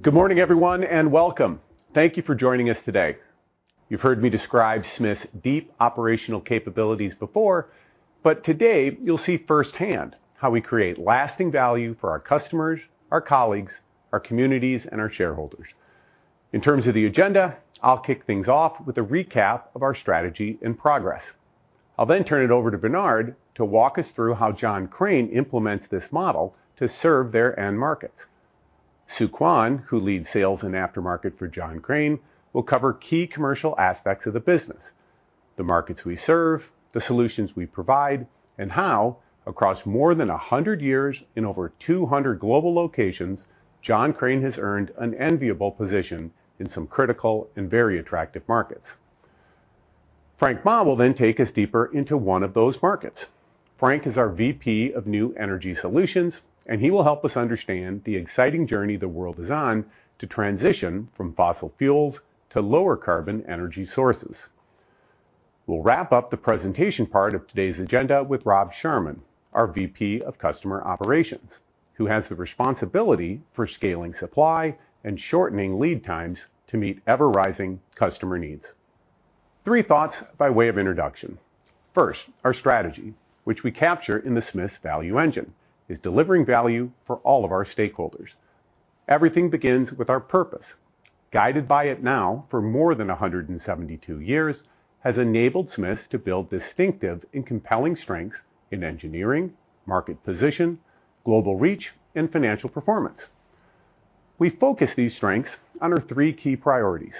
Good morning, everyone, and welcome. Thank you for joining us today. You've heard me describe Smiths' deep operational capabilities before, but today you'll see firsthand how we create lasting value for our customers, our colleagues, our communities, and our shareholders. In terms of the agenda, I'll kick things off with a recap of our strategy and progress. I'll then turn it over to Bernard to walk us through how John Crane implements this model to serve their end markets. Sook Won, who leads sales and aftermarket for John Crane, will cover key commercial aspects of the business, the markets we serve, the solutions we provide, and how, across more than 100 years in over 200 global locations, John Crane has earned an enviable position in some critical and very attractive markets. Frank Ma will then take us deeper into one of those markets. Frank is our VP of New Energy Solutions, and he will help us understand the exciting journey the world is on to transition from fossil fuels to lower carbon energy sources. We'll wrap up the presentation part of today's agenda with Rob Sharman, our VP of Customer Operations, who has the responsibility for scaling supply and shortening lead times to meet ever-rising customer needs. Three thoughts by way of introduction: First, our strategy, which we capture in the Smiths Value Engine, is delivering value for all of our stakeholders. Everything begins with our purpose. Guided by it now for more than 172 years, has enabled Smiths to build distinctive and compelling strengths in engineering, market position, global reach, and financial performance. We focus these strengths under three key priorities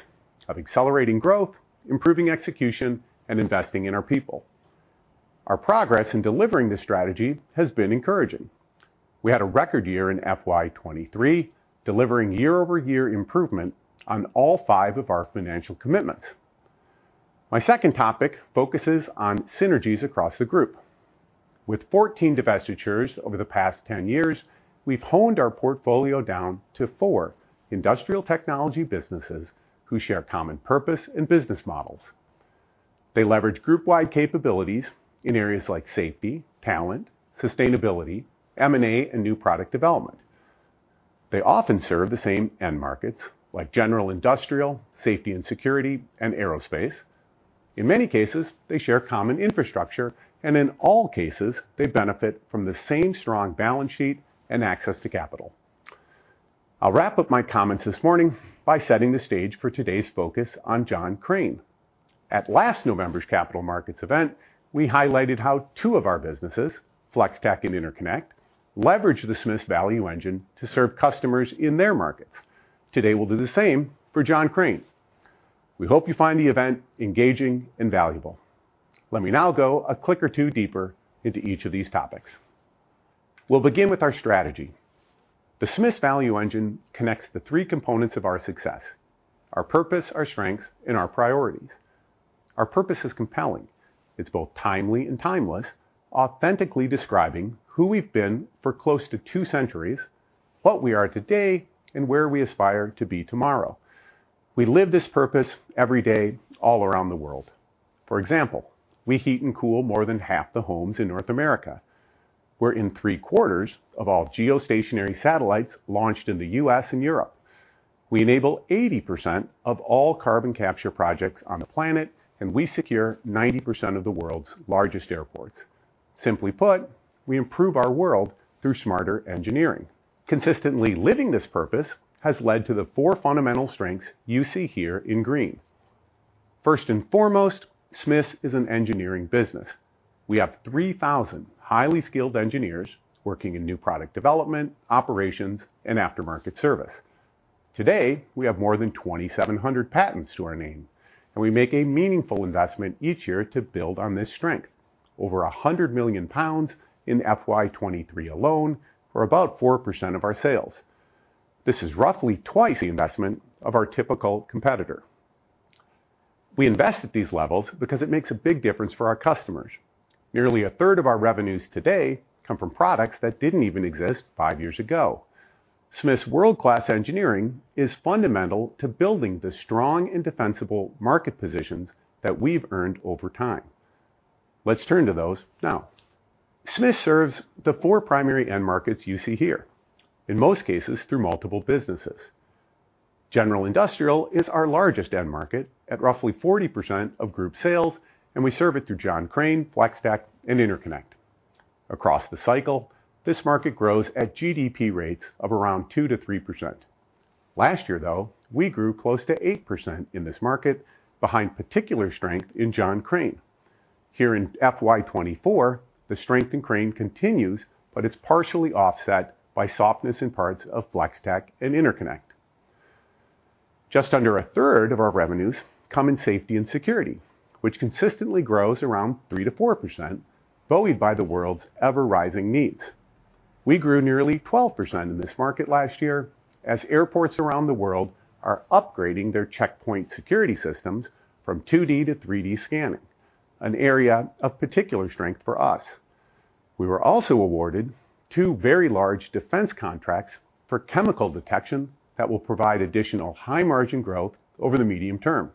of accelerating growth, improving execution, and investing in our people. Our progress in delivering this strategy has been encouraging. We had a record year in FY 2023, delivering year-over-year improvement on all five of our financial commitments. My second topic focuses on synergies across the Group. With 14 divestitures over the past 10 years, we've honed our portfolio down to four industrial technology businesses who share common purpose and business models. They leverage Group-wide capabilities in areas like safety, talent, sustainability, M&A, and new product development. They often serve the same end markets, like general industrial, safety and security, and aerospace. In many cases, they share common infrastructure, and in all cases, they benefit from the same strong balance sheet and access to capital. I'll wrap up my comments this morning by setting the stage for today's focus on John Crane. At last November's capital markets event, we highlighted how two of our businesses, Flex-Tek and Interconnect, leverage the Smiths Value Engine to serve customers in their markets. Today, we'll do the same for John Crane. We hope you find the event engaging and valuable. Let me now go a click or two deeper into each of these topics. We'll begin with our strategy. The Smiths Value Engine connects the three components of our success: our purpose, our strengths, and our priorities. Our purpose is compelling. It's both timely and timeless, authentically describing who we've been for close to two centuries, what we are today, and where we aspire to be tomorrow. We live this purpose every day, all around the world. For example, we heat and cool more than half the homes in North America. We're in three-quarters of all geostationary satellites launched in the U.S. and Europe. We enable 80% of all carbon capture projects on the planet, and we secure 90% of the world's largest airports. Simply put, we improve our world through smarter engineering. Consistently living this purpose has led to the four fundamental strengths you see here in green. First and foremost, Smiths is an engineering business. We have 3,000 highly skilled engineers working in new product development, operations, and aftermarket service. Today, we have more than 2,700 patents to our name, and we make a meaningful investment each year to build on this strength. Over 100 million pounds in FY 2023 alone, or about 4% of our sales. This is roughly twice the investment of our typical competitor. We invest at these levels because it makes a big difference for our customers. Nearly a third of our revenues today come from products that didn't even exist 5 years ago. Smiths' world-class engineering is fundamental to building the strong and defensible market positions that we've earned over time. Let's turn to those now. Smiths serves the four primary end markets you see here, in most cases, through multiple businesses. General Industrial is our largest end market at roughly 40% of Group sales, and we serve it through John Crane, Flex-Tek, and Interconnect. Across the cycle, this market grows at GDP rates of around 2%-3%. Last year, though, we grew close to 8% in this market behind particular strength in John Crane. Here in FY 2024, the strength in Crane continues, but it's partially offset by softness in parts of Flex-Tek and Interconnect. Just under a third of our revenues come in safety and security, which consistently grows around 3%-4%, buoyed by the world's ever-rising needs. We grew nearly 12% in this market last year as airports around the world are upgrading their checkpoint security systems from 2D to 3D scanning, an area of particular strength for us. We were also awarded two very large defense contracts for chemical detection that will provide additional high-margin growth over the medium term.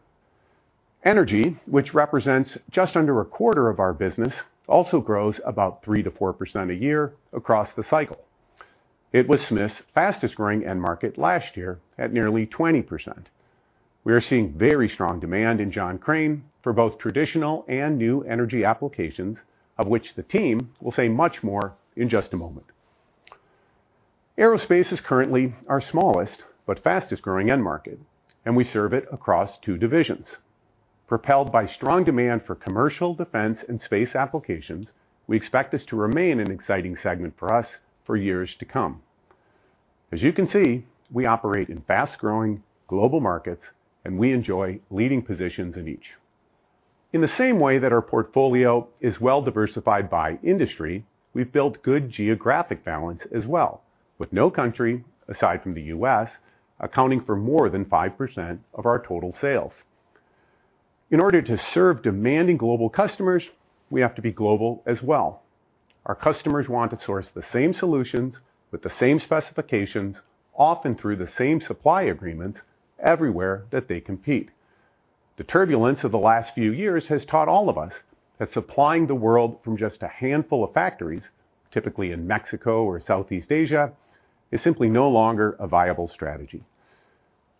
Energy, which represents just under a quarter of our business, also grows about 3%-4% a year across the cycle. It was Smith's fastest growing end market last year at nearly 20%. We are seeing very strong demand in John Crane for both traditional and new energy applications, of which the team will say much more in just a moment. Aerospace is currently our smallest but fastest-growing end market, and we serve it across two divisions. Propelled by strong demand for commercial, defense, and space applications, we expect this to remain an exciting segment for us for years to come. As you can see, we operate in fast-growing global markets, and we enjoy leading positions in each. In the same way that our portfolio is well-diversified by industry, we've built good geographic balance as well, with no country, aside from the U.S., accounting for more than 5% of our total sales. In order to serve demanding global customers, we have to be global as well. Our customers want to source the same solutions with the same specifications, often through the same supply agreements, everywhere that they compete. The turbulence of the last few years has taught all of us that supplying the world from just a handful of factories, typically in Mexico or Southeast Asia, is simply no longer a viable strategy.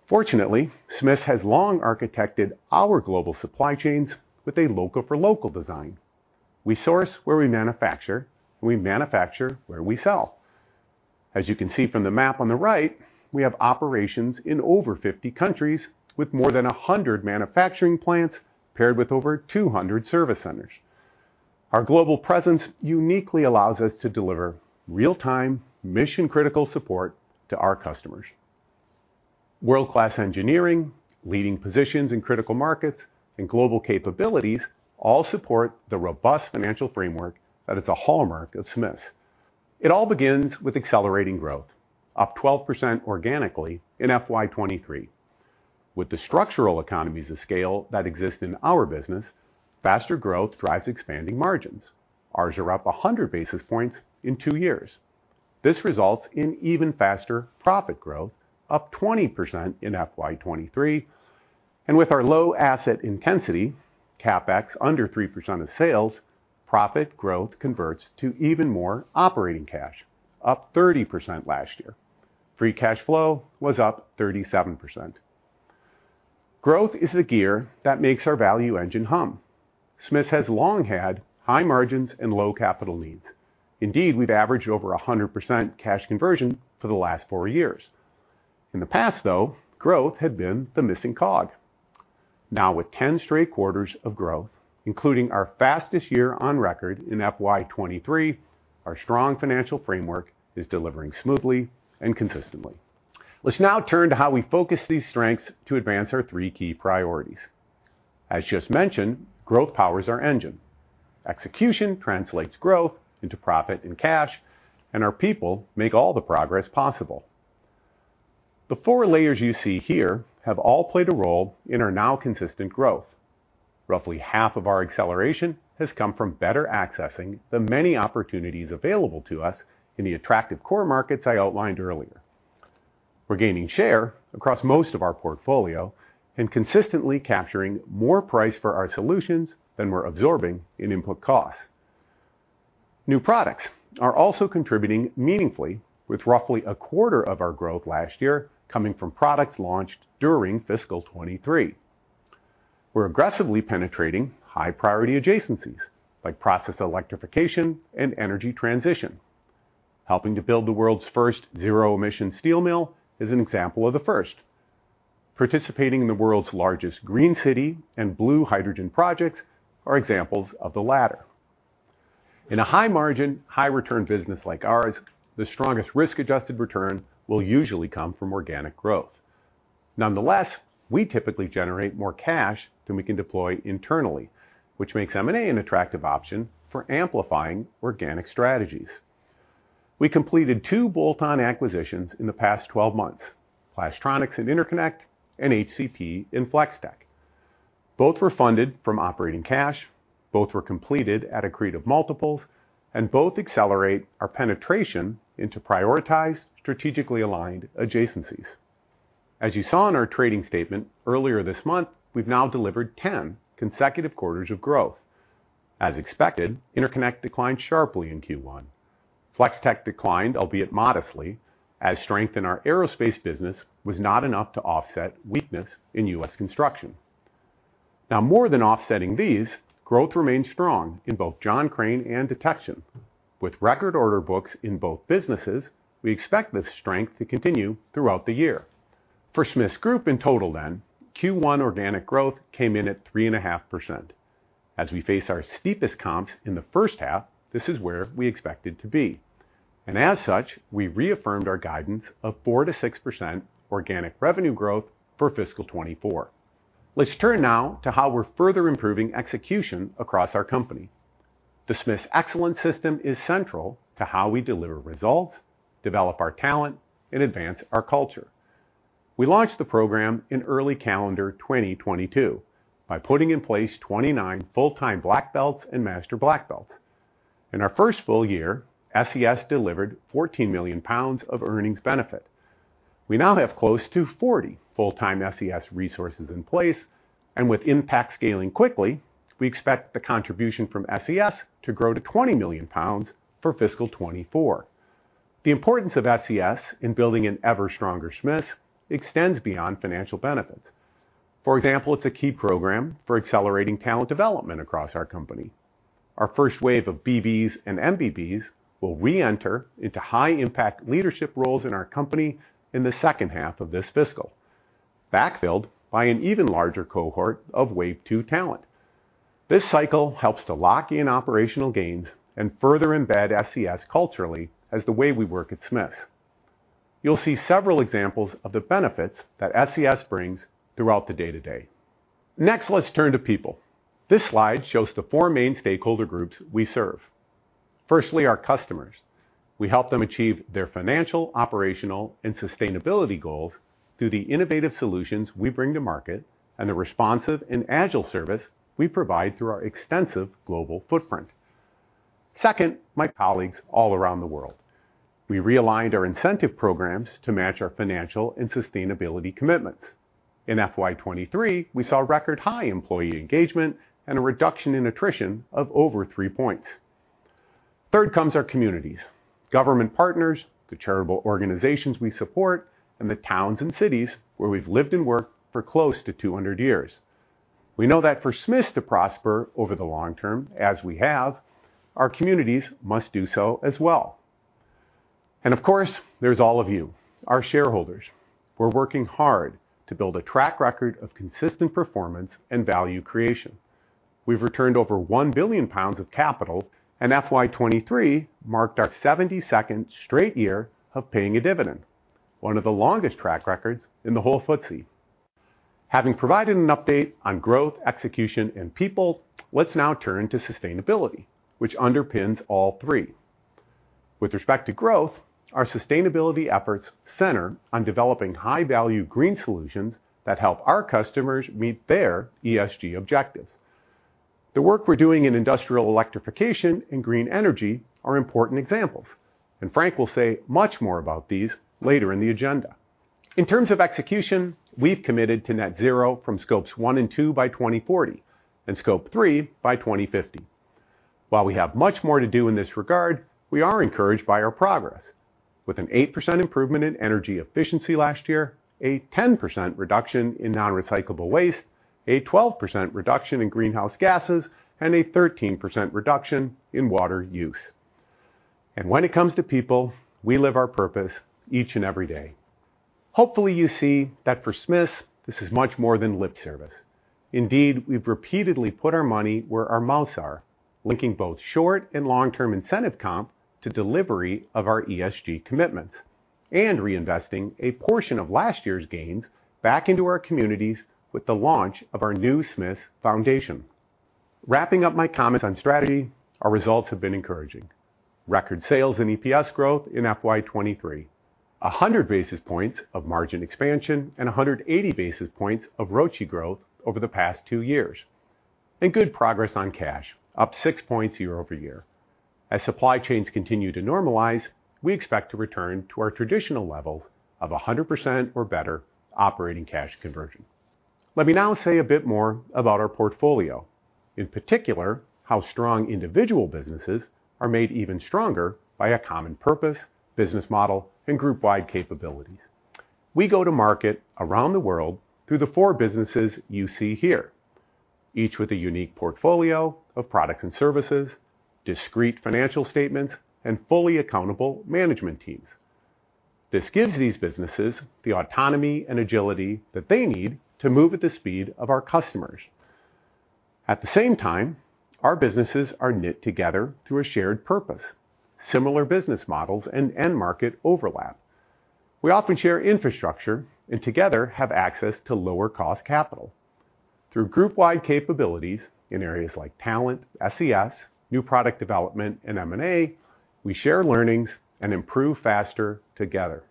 Fortunately, Smiths has long architected our global supply chains with a local-for-local design. We source where we manufacture, and we manufacture where we sell. As you can see from the map on the right, we have operations in over 50 countries, with more than 100 manufacturing plants paired with over 200 service centers. Our global presence uniquely allows us to deliver real-time, mission-critical support to our customers. World-class engineering, leading positions in critical markets, and global capabilities all support the robust financial framework that is a hallmark of Smiths. It all begins with accelerating growth, up 12% organically in FY 2023. With the structural economies of scale that exist in our business, faster growth drives expanding margins. Ours are up 100 basis points in two years. This results in even faster profit growth, up 20% in FY 2023, and with our low asset intensity, CapEx under 3% of sales, profit growth converts to even more operating cash, up 30% last year. Free cash flow was up 37%. Growth is the gear that makes our value engine hum. Smiths has long had high margins and low capital needs. Indeed, we've averaged over 100% cash conversion for the last four years. In the past, though, growth had been the missing cog. Now, with 10 straight quarters of growth, including our fastest year on record in FY 2023, our strong financial framework is delivering smoothly and consistently. Let's now turn to how we focus these strengths to advance our three key priorities. As just mentioned, growth powers our engine. Execution translates growth into profit and cash, and our people make all the progress possible. The four layers you see here have all played a role in our now consistent growth. Roughly half of our acceleration has come from better accessing the many opportunities available to us in the attractive core markets I outlined earlier. We're gaining share across most of our portfolio and consistently capturing more price for our solutions than we're absorbing in input costs. New products are also contributing meaningfully, with roughly a quarter of our growth last year coming from products launched during fiscal 2023. We're aggressively penetrating high-priority adjacencies, like process electrification and energy transition. Helping to build the world's first zero-emission steel mill is an example of the first. Participating in the world's largest green city and blue hydrogen projects are examples of the latter. In a high-margin, high-return business like ours, the strongest risk-adjusted return will usually come from organic growth. Nonetheless, we typically generate more cash than we can deploy internally, which makes M&A an attractive option for amplifying organic strategies. We completed 2 bolt-on acquisitions in the past 12 months: Plastronics in Interconnect and HCP in Flex-Tek. Both were funded from operating cash, both were completed at accretive multiples, and both accelerate our penetration into prioritized, strategically aligned adjacencies. As you saw in our trading statement earlier this month, we've now delivered 10 consecutive quarters of growth. As expected, Interconnect declined sharply in Q1. Flex-Tek declined, albeit modestly, as strength in our aerospace business was not enough to offset weakness in U.S. construction. Now, more than offsetting these, growth remains strong in both John Crane and Detection. With record order books in both businesses, we expect this strength to continue throughout the year. For Smiths Group in total then, Q1 organic growth came in at 3.5%. As we face our steepest comps in the first half, this is where we expect it to be, and as such, we reaffirmed our guidance of 4%-6% organic revenue growth for fiscal 2024. Let's turn now to how we're further improving execution across our company. The Smiths Excellence System is central to how we deliver results, develop our talent, and advance our culture. We launched the program in early calendar 2022 by putting in place 29 full-time black belts and master black belts. In our first full year, SES delivered 14 million pounds of earnings benefit. We now have close to 40 full-time SES resources in place, and with impact scaling quickly, we expect the contribution from SES to grow to 20 million pounds for fiscal 2024. The importance of SES in building an ever-stronger Smiths extends beyond financial benefits. For example, it's a key program for accelerating talent development across our company. Our first wave of BBs and MBBs will reenter into high-impact leadership roles in our company in the second half of this fiscal, backfilled by an even larger cohort of wave two talent. This cycle helps to lock in operational gains and further embed SES culturally as the way we work at Smiths. You'll see several examples of the benefits that SES brings throughout the day-to-day. Next, let's turn to people. This slide shows the four main stakeholder groups we serve. Firstly, our customers. We help them achieve their financial, operational, and sustainability goals through the innovative solutions we bring to market and the responsive and agile service we provide through our extensive global footprint. Second, my colleagues all around the world. We realigned our incentive programs to match our financial and sustainability commitments. In FY 2023, we saw record high employee engagement and a reduction in attrition of over three points. Third comes our communities, government partners, the charitable organizations we support, and the towns and cities where we've lived and worked for close to 200 years. We know that for Smiths to prosper over the long term, as we have, our communities must do so as well. And of course, there's all of you, our shareholders. We're working hard to build a track record of consistent performance and value creation. We've returned over 1 billion pounds of capital, and FY 2023 marked our 72nd straight year of paying a dividend, one of the longest track records in the whole FTSE. Having provided an update on growth, execution, and people, let's now turn to sustainability, which underpins all three. With respect to growth, our sustainability efforts center on developing high-value green solutions that help our customers meet their ESG objectives. The work we're doing in industrial electrification and green energy are important examples, and Frank will say much more about these later in the agenda. In terms of execution, we've committed to net zero from Scope 1 and 2 by 2040, and Scope 3 by 2050. While we have much more to do in this regard, we are encouraged by our progress. With an 8% improvement in energy efficiency last year, a 10% reduction in non-recyclable waste, a 12% reduction in greenhouse gases, and a 13% reduction in water use. When it comes to people, we live our purpose each and every day. Hopefully, you see that for Smiths, this is much more than lip service. Indeed, we've repeatedly put our money where our mouths are, linking both short and long-term incentive comp to delivery of our ESG commitments, and reinvesting a portion of last year's gains back into our communities with the launch of our new Smiths Foundation. Wrapping up my comments on strategy, our results have been encouraging. Record sales and EPS growth in FY 2023, 100 basis points of margin expansion, and 180 basis points of ROCE growth over the past two years, and good progress on cash, up six points year-over-year. As supply chains continue to normalize, we expect to return to our traditional level of 100% or better operating cash conversion. Let me now say a bit more about our portfolio, in particular, how strong individual businesses are made even stronger by a common purpose, business model, and Group-wide capabilities. We go to market around the world through the four businesses you see here, each with a unique portfolio of products and services, discrete financial statements, and fully accountable management teams. This gives these businesses the autonomy and agility that they need to move at the speed of our customers. At the same time, our businesses are knit together through a shared purpose, similar business models, and end market overlap. We often share infrastructure and together, have access to lower-cost capital. Through Group-wide capabilities in areas like talent, SES, new product development, and M&A, we share learnings and improve faster together.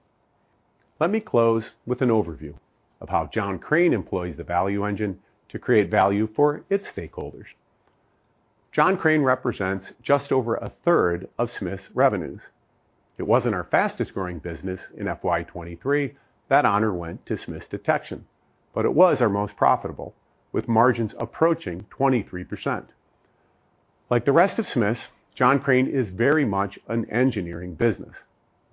Let me close with an overview of how John Crane employs the value engine to create value for its stakeholders. John Crane represents just over a third of Smiths' revenues. It wasn't our fastest-growing business in FY 2023, that honor went to Smiths Detection, but it was our most profitable, with margins approaching 23%. Like the rest of Smiths, John Crane is very much an engineering business,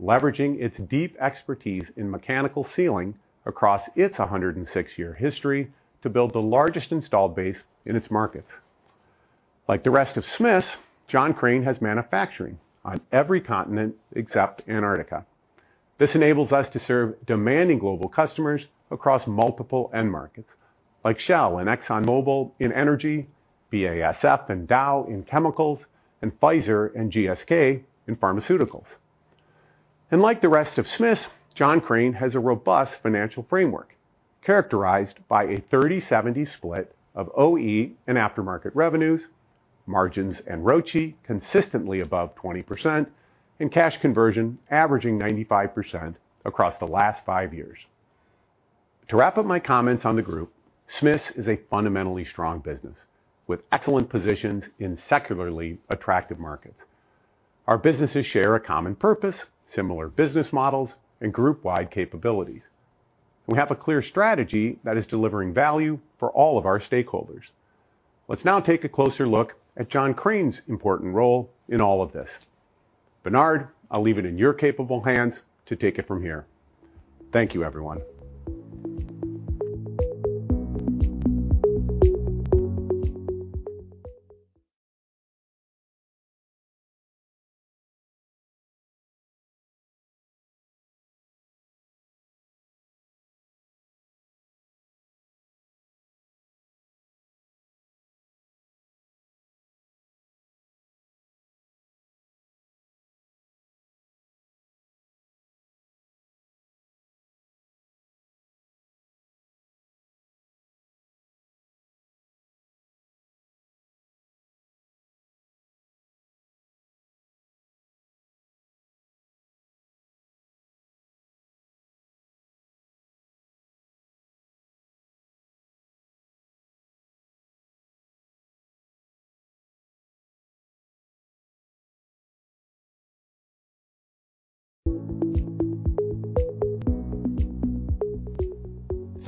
leveraging its deep expertise in mechanical sealing across its 106-year history to build the largest installed base in its markets. Like the rest of Smiths, John Crane has manufacturing on every continent except Antarctica. This enables us to serve demanding global customers across multiple end markets, like Shell and ExxonMobil in energy, BASF and Dow in chemicals, and Pfizer and GSK in pharmaceuticals. And like the rest of Smiths, John Crane has a robust financial framework, characterized by a 30/70 split of OE and aftermarket revenues, margins and ROCE consistently above 20%, and cash conversion averaging 95% across the last five years.... To wrap up my comments on the Group, Smiths is a fundamentally strong business with excellent positions in secularly attractive markets. Our businesses share a common purpose, similar business models, and Group-wide capabilities. We have a clear strategy that is delivering value for all of our stakeholders. Let's now take a closer look at John Crane's important role in all of this. Bernard, I'll leave it in your capable hands to take it from here. Thank you, everyone.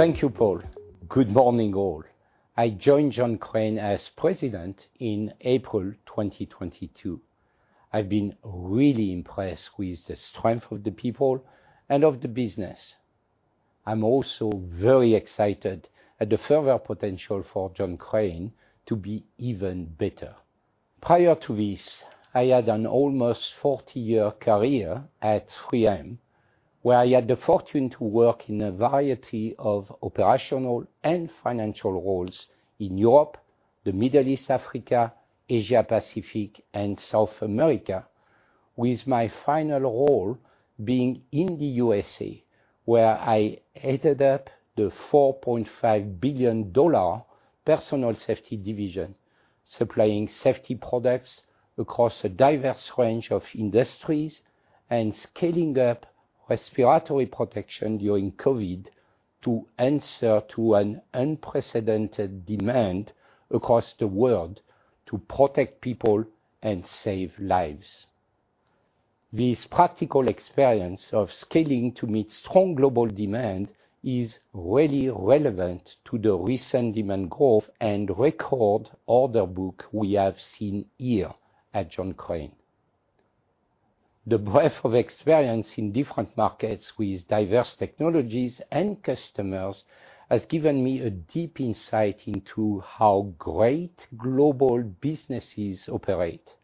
Thank you, Paul. Good morning, all. I joined John Crane as president in April 2022. I've been really impressed with the strength of the people and of the business. I'm also very excited at the further potential for John Crane to be even better. Prior to this, I had an almost 40-year career at 3M, where I had the fortune to work in a variety of operational and financial roles in Europe, the Middle East, Africa, Asia Pacific, and South America, with my final role being in the USA, where I headed up the $4.5 billion Personal Safety division, supplying safety products across a diverse range of industries and scaling up respiratory protection during COVID to answer to an unprecedented demand across the world to protect people and save lives. This practical experience of scaling to meet strong global demand is really relevant to the recent demand growth and record order book we have seen here at John Crane. The breadth of experience in different markets with diverse technologies and customers has given me a deep insight into how great global businesses operate,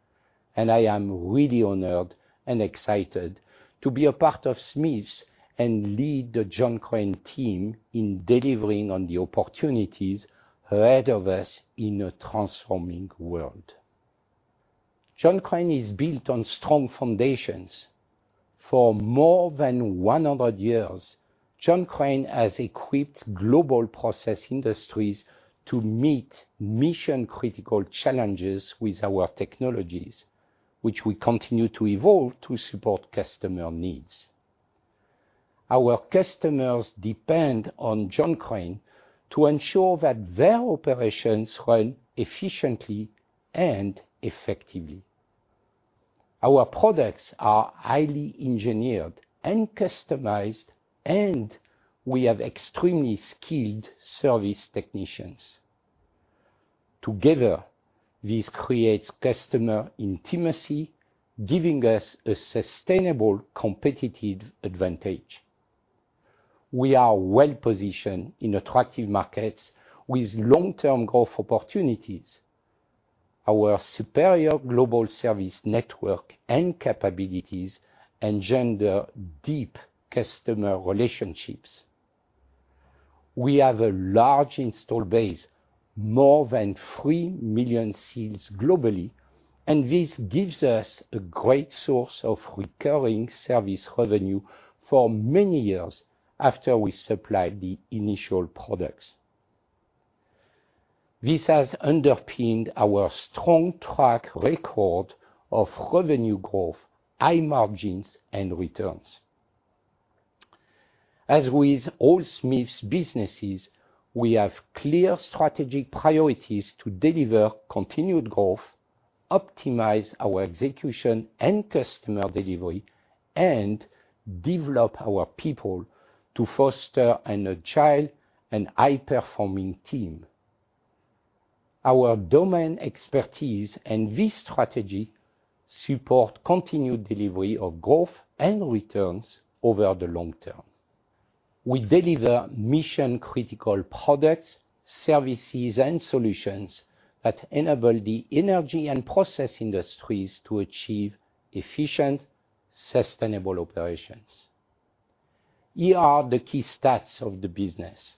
and I am really honored and excited to be a part of Smiths and lead the John Crane team in delivering on the opportunities ahead of us in a transforming world. John Crane is built on strong foundations. For more than 100 years, John Crane has equipped global process industries to meet mission-critical challenges with our technologies, which we continue to evolve to support customer needs. Our customers depend on John Crane to ensure that their operations run efficiently and effectively. Our products are highly engineered and customized, and we have extremely skilled service technicians. Together, this creates customer intimacy, giving us a sustainable competitive advantage. We are well positioned in attractive markets with long-term growth opportunities. Our superior global service network and capabilities engender deep customer relationships. We have a large installed base, more than 3 million seals globally, and this gives us a great source of recurring service revenue for many years after we supply the initial products. This has underpinned our strong track record of revenue growth, high margins, and returns. As with all Smiths businesses, we have clear strategic priorities to deliver continued growth, optimize our execution and customer delivery, and develop our people to foster an agile and high-performing team. Our domain expertise and this strategy support continued delivery of growth and returns over the long term. We deliver mission-critical products, services, and solutions that enable the energy and process industries to achieve efficient, sustainable operations. Here are the key stats of the business.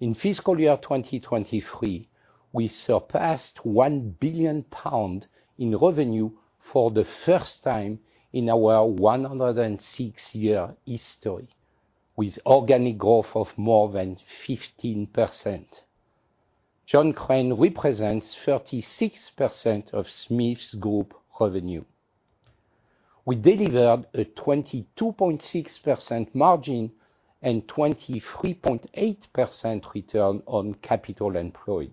In fiscal year 2023, we surpassed 1 billion pound in revenue for the first time in our 106-year history, with organic growth of more than 15%. John Crane represents 36% of Smiths Group revenue. We delivered a 22.6% margin and 23.8% return on capital employed.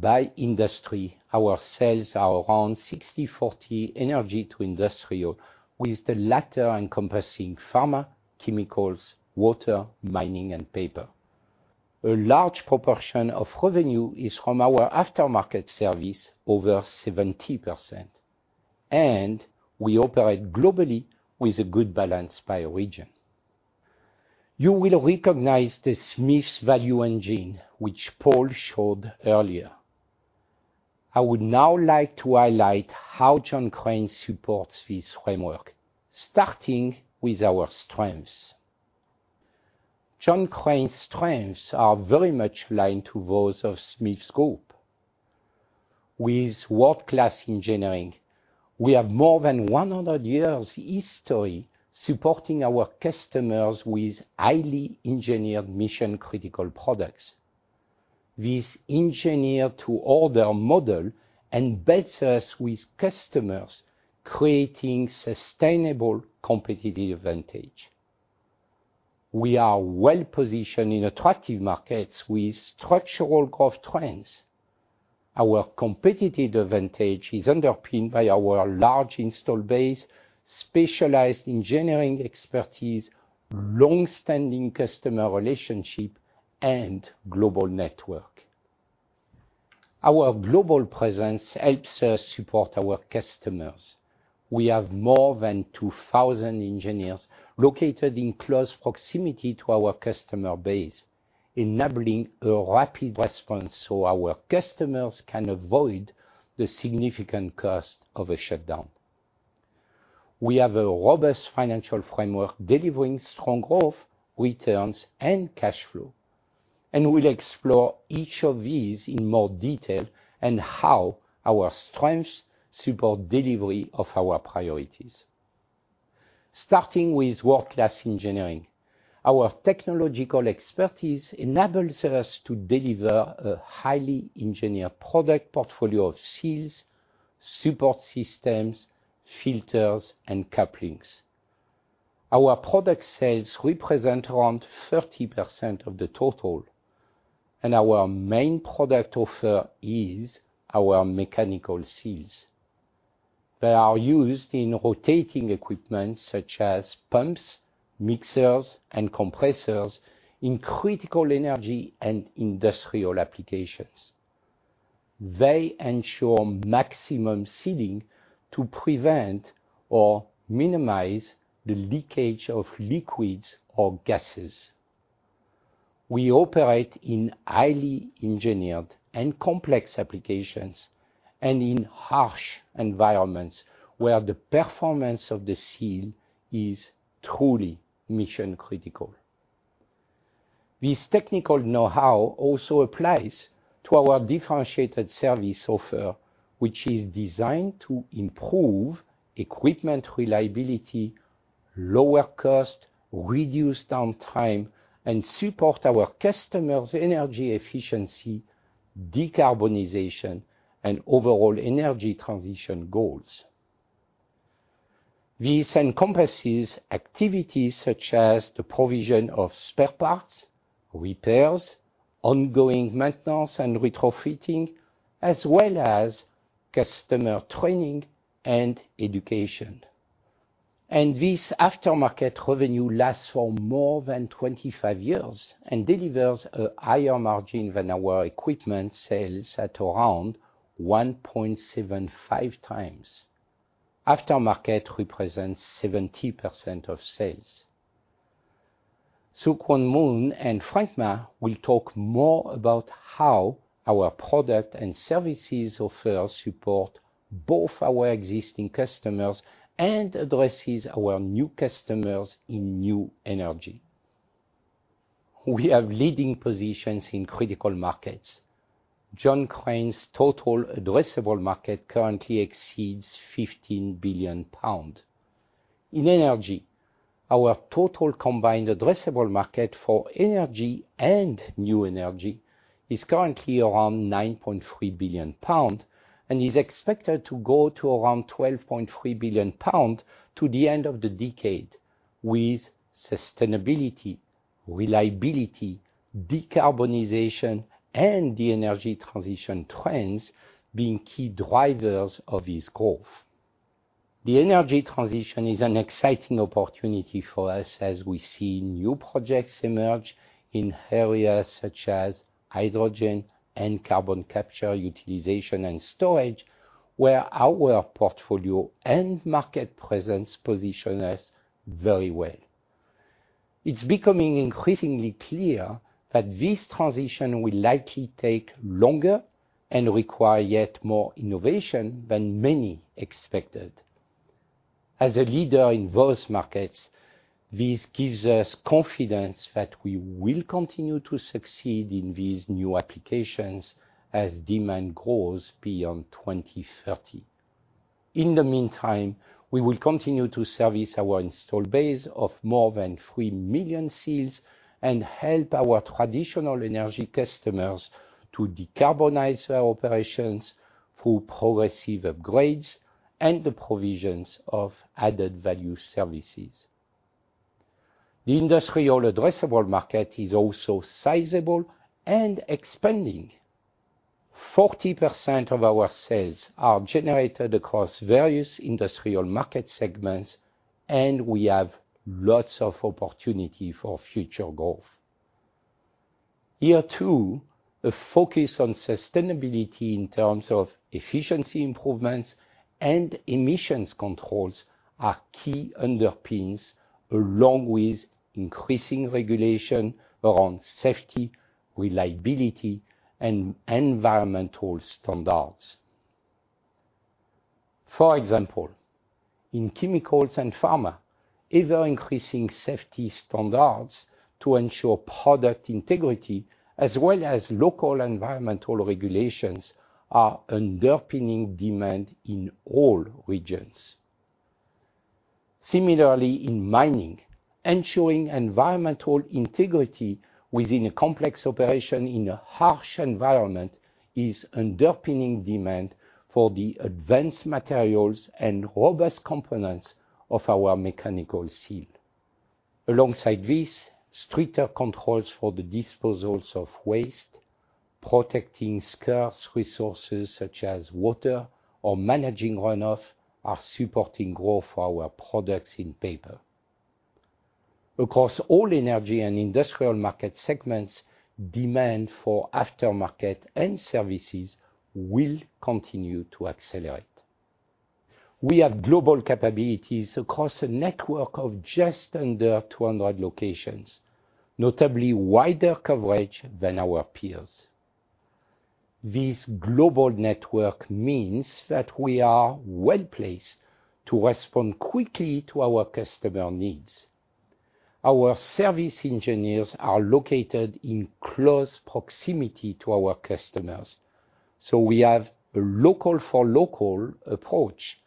By industry, our sales are around 60/40 energy to industrial, with the latter encompassing pharma, chemicals, water, mining, and paper. A large proportion of revenue is from our aftermarket service, over 70%, and we operate globally with a good balance by region. You will recognize the Smiths Value Engine, which Paul showed earlier. I would now like to highlight how John Crane supports this framework, starting with our strengths. John Crane's strengths are very much aligned to those of Smiths Group. With world-class engineering, we have more than 100 years history supporting our customers with highly engineered mission-critical products. This engineer-to-order model embeds us with customers, creating sustainable competitive advantage. We are well positioned in attractive markets with structural growth trends. Our competitive advantage is underpinned by our large install base, specialized engineering expertise, long-standing customer relationship, and global network. Our global presence helps us support our customers. We have more than 2,000 engineers located in close proximity to our customer base, enabling a rapid response so our customers can avoid the significant cost of a shutdown. We have a robust financial framework, delivering strong growth, returns, and cash flow, and we'll explore each of these in more detail, and how our strengths support delivery of our priorities. Starting with world-class engineering, our technological expertise enables us to deliver a highly engineered product portfolio of seals, support systems, filters, and couplings. Our product sales represent around 30% of the total, and our main product offer is our mechanical seals. They are used in rotating equipment such as pumps, mixers, and compressors in critical energy and industrial applications. They ensure maximum sealing to prevent or minimize the leakage of liquids or gases. We operate in highly engineered and complex applications, and in harsh environments, where the performance of the seal is truly mission critical. This technical know-how also applies to our differentiated service offer, which is designed to improve equipment reliability, lower cost, reduce downtime, and support our customers' energy efficiency, decarbonization, and overall energy transition goals. This encompasses activities such as the provision of spare parts, repairs, ongoing maintenance and retrofitting, as well as customer training and education. And this aftermarket revenue lasts for more than 25 years and delivers a higher margin than our equipment sales at around 1.75x. Aftermarket represents 70% of sales. Sook Won Moon and Frank Ma will talk more about how our product and services offer support both our existing customers and addresses our new customers in new energy. We have leading positions in critical markets. John Crane's total addressable market currently exceeds 15 billion pounds. In energy, our total combined addressable market for energy and new energy is currently around 9.3 billion pounds, and is expected to go to around 12.3 billion pounds to the end of the decade, with sustainability, reliability, decarbonization, and the energy transition trends being key drivers of this growth. The energy transition is an exciting opportunity for us as we see new projects emerge in areas such as hydrogen and carbon capture, utilization, and storage, where our portfolio and market presence position us very well. It's becoming increasingly clear that this transition will likely take longer and require yet more innovation than many expected. As a leader in those markets, this gives us confidence that we will continue to succeed in these new applications as demand grows beyond 2030. In the meantime, we will continue to service our installed base of more than 3 million seals, and help our traditional energy customers to decarbonize their operations through progressive upgrades and the provisions of added value services. The industrial addressable market is also sizable and expanding. 40% of our sales are generated across various industrial market segments, and we have lots of opportunity for future growth. Here, too, a focus on sustainability in terms of efficiency improvements and emissions controls are key underpins, along with increasing regulation around safety, reliability, and environmental standards. For example, in chemicals and pharma, ever-increasing safety standards to ensure product integrity, as well as local environmental regulations, are underpinning demand in all regions. Similarly, in mining, ensuring environmental integrity within a complex operation in a harsh environment is underpinning demand for the advanced materials and robust components of our mechanical seal. Alongside this, stricter controls for the disposals of waste, protecting scarce resources, such as water or managing runoff, are supporting growth for our products in paper. Across all energy and industrial market segments, demand for aftermarket and services will continue to accelerate. We have global capabilities across a network of just under 200 locations, notably wider coverage than our peers. This global network means that we are well-placed to respond quickly to our customer needs. Our service engineers are located in close proximity to our customers, so we have a local-for-local approach,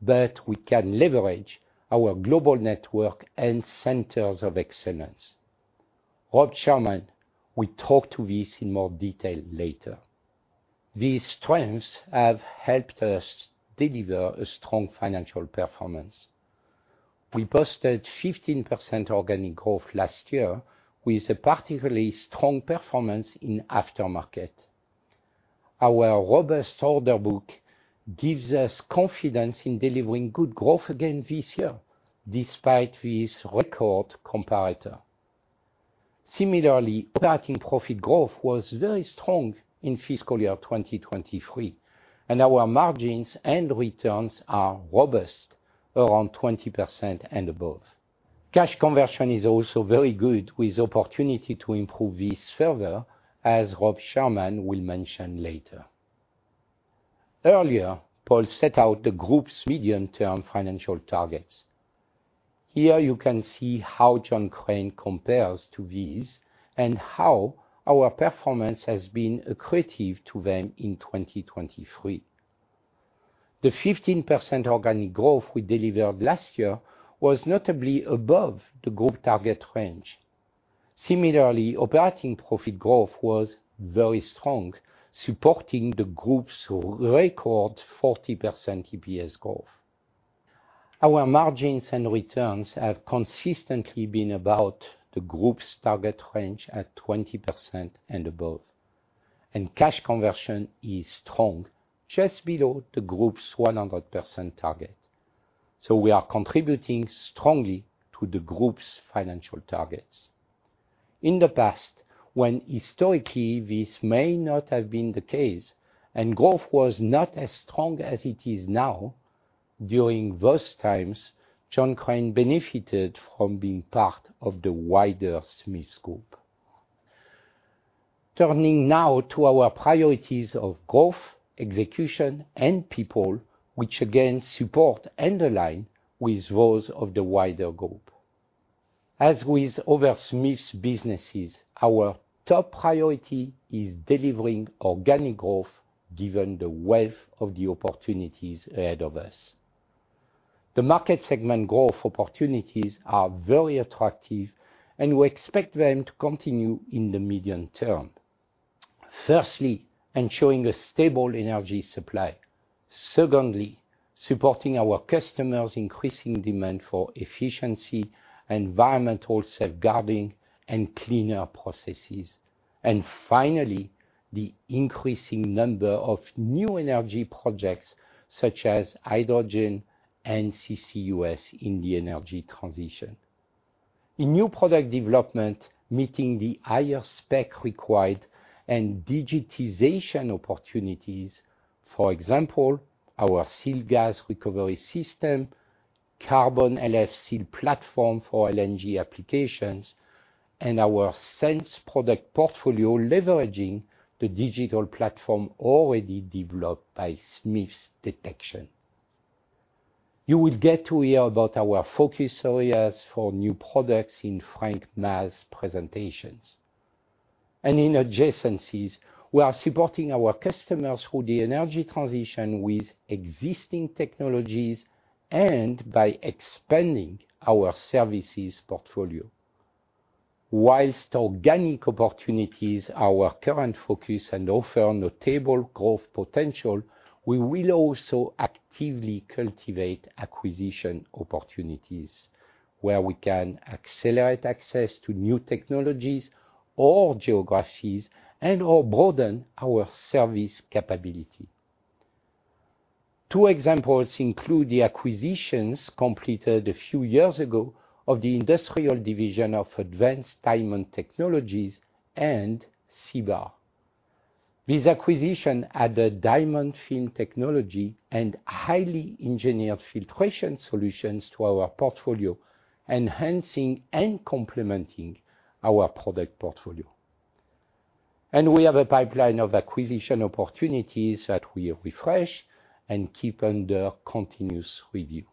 but we can leverage our global network and centers of excellence. Rob Sharman will talk to this in more detail later. These strengths have helped us deliver a strong financial performance. We posted 15% organic growth last year, with a particularly strong performance in aftermarket. Our robust order book gives us confidence in delivering good growth again this year, despite this record comparator. Similarly, operating profit growth was very strong in fiscal year 2023, and our margins and returns are robust, around 20% and above. Cash conversion is also very good, with opportunity to improve this further, as Rob Sharman will mention later. Earlier, Paul set out the Group's medium-term financial targets. Here, you can see how John Crane compares to these and how our performance has been accretive to them in 2023. The 15% organic growth we delivered last year was notably above the Group target range. Similarly, operating profit growth was very strong, supporting the Group's record 40% EPS growth. Our margins and returns have consistently been about the Group's target range at 20% and above, and cash conversion is strong, just below the Group's 100% target. So we are contributing strongly to the Group's financial targets. In the past, when historically this may not have been the case, and growth was not as strong as it is now, during those times, John Crane benefited from being part of the wider Smiths Group. Turning now to our priorities of growth, execution, and people, which, again, support and align with those of the wider Group. As with other Smiths businesses, our top priority is delivering organic growth, given the wealth of the opportunities ahead of us. The market segment growth opportunities are very attractive, and we expect them to continue in the medium term. Firstly, ensuring a stable energy supply. Secondly, supporting our customers' increasing demand for efficiency, environmental safeguarding, and cleaner processes. And finally, the increasing number of new energy projects, such as hydrogen and CCUS in the energy transition. In new product development, meeting the higher spec required and digitization opportunities. For example, our seal gas recovery system, Carbon LF seal platform for LNG applications, and our Sense product portfolio, leveraging the digital platform already developed by Smiths Detection. You will get to hear about our focus areas for new products in Frank Ma's presentations. And in adjacencies, we are supporting our customers through the energy transition with existing technologies and by expanding our services portfolio.... Whilst organic opportunities are our current focus and offer notable growth potential, we will also actively cultivate acquisition opportunities where we can accelerate access to new technologies or geographies, and/or broaden our service capability. Two examples include the acquisitions completed a few years ago of the industrial division of Advanced Diamond Technologies and Seebach. This acquisition added diamond film technology and highly engineered filtration solutions to our portfolio, enhancing and complementing our product portfolio. We have a pipeline of acquisition opportunities that we refresh and keep under continuous review.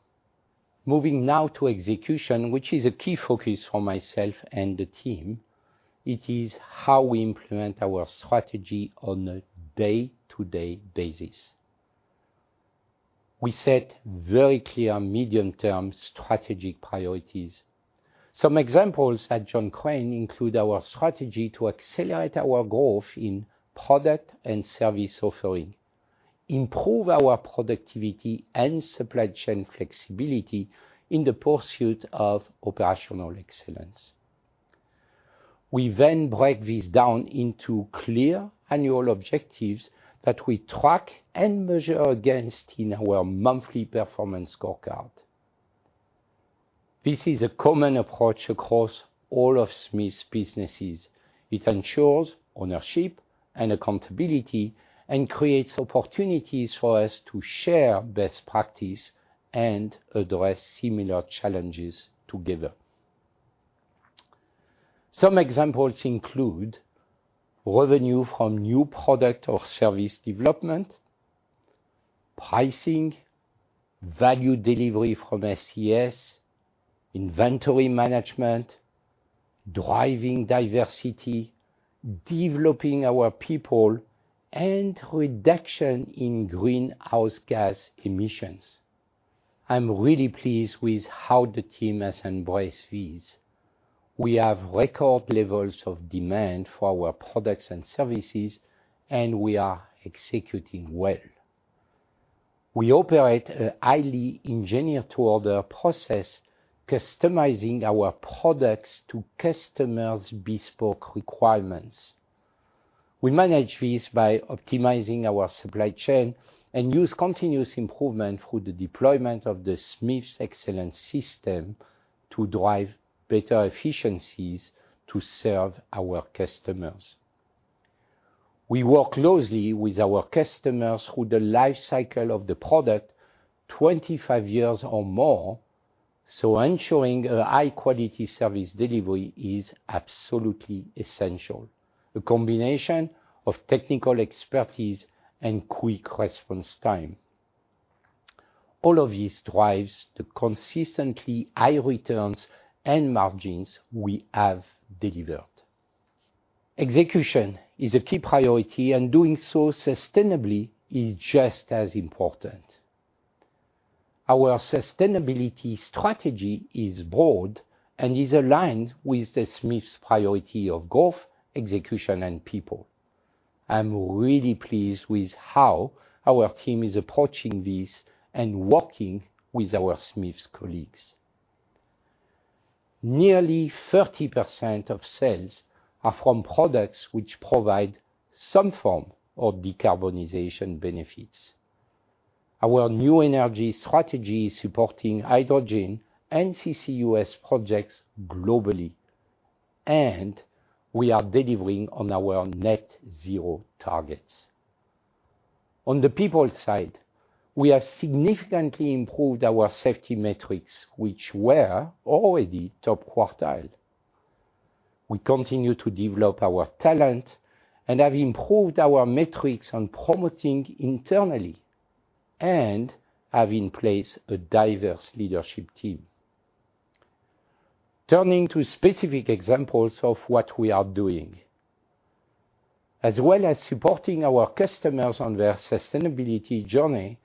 Moving now to execution, which is a key focus for myself and the team. It is how we implement our strategy on a day-to-day basis. We set very clear medium-term strategic priorities. Some examples at John Crane include our strategy to accelerate our growth in product and service offering, improve our productivity and supply chain flexibility in the pursuit of operational excellence. We then break this down into clear annual objectives that we track and measure against in our monthly performance scorecard. This is a common approach across all of Smith's businesses. It ensures ownership and accountability and creates opportunities for us to share best practice and address similar challenges together. Some examples include revenue from new product or service development, pricing, value delivery from SES, inventory management, driving diversity, developing our people, and reduction in greenhouse gas emissions. I'm really pleased with how the team has embraced this. We have record levels of demand for our products and services, and we are executing well. We operate a highly engineer-to-order process, customizing our products to customers' bespoke requirements. We manage this by optimizing our supply chain and use continuous improvement through the deployment of the Smiths Excellence System to drive better efficiencies to serve our customers. We work closely with our customers through the life cycle of the product, 25 years or more, so ensuring a high-quality service delivery is absolutely essential, a combination of technical expertise and quick response time. All of this drives the consistently high returns and margins we have delivered. Execution is a key priority, and doing so sustainably is just as important. Our sustainability strategy is broad and is aligned with the Smiths' priority of growth, execution, and people. I'm really pleased with how our team is approaching this and working with our Smiths colleagues. Nearly 30% of sales are from products which provide some form of decarbonization benefits. Our new energy strategy is supporting hydrogen and CCUS projects globally, and we are delivering on our net zero targets. On the people side, we have significantly improved our safety metrics, which were already top quartile. We continue to develop our talent and have improved our metrics on promoting internally, and have in place a diverse leadership team. Turning to specific examples of what we are doing. As well as supporting our customers on their sustainability journey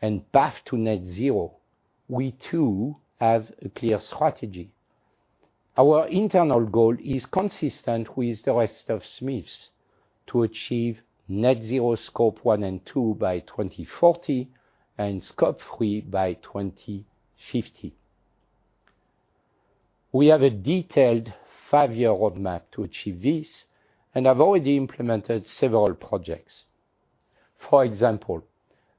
and path to net zero, we, too, have a clear strategy. Our internal goal is consistent with the rest of Smiths, to achieve net zero Scope 1 and 2 by 2040, and Scope 3 by 2050. We have a detailed five-year roadmap to achieve this and have already implemented several projects. For example,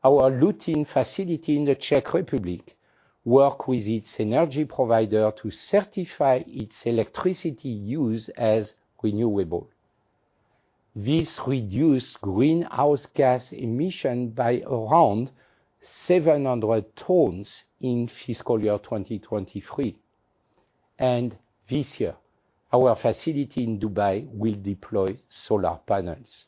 our Lutín facility in the Czech Republic works with its energy provider to certify its electricity use as renewable. This reduced greenhouse gas emissions by around 700 tons in fiscal year 2023. This year, our facility in Dubai will deploy solar panels.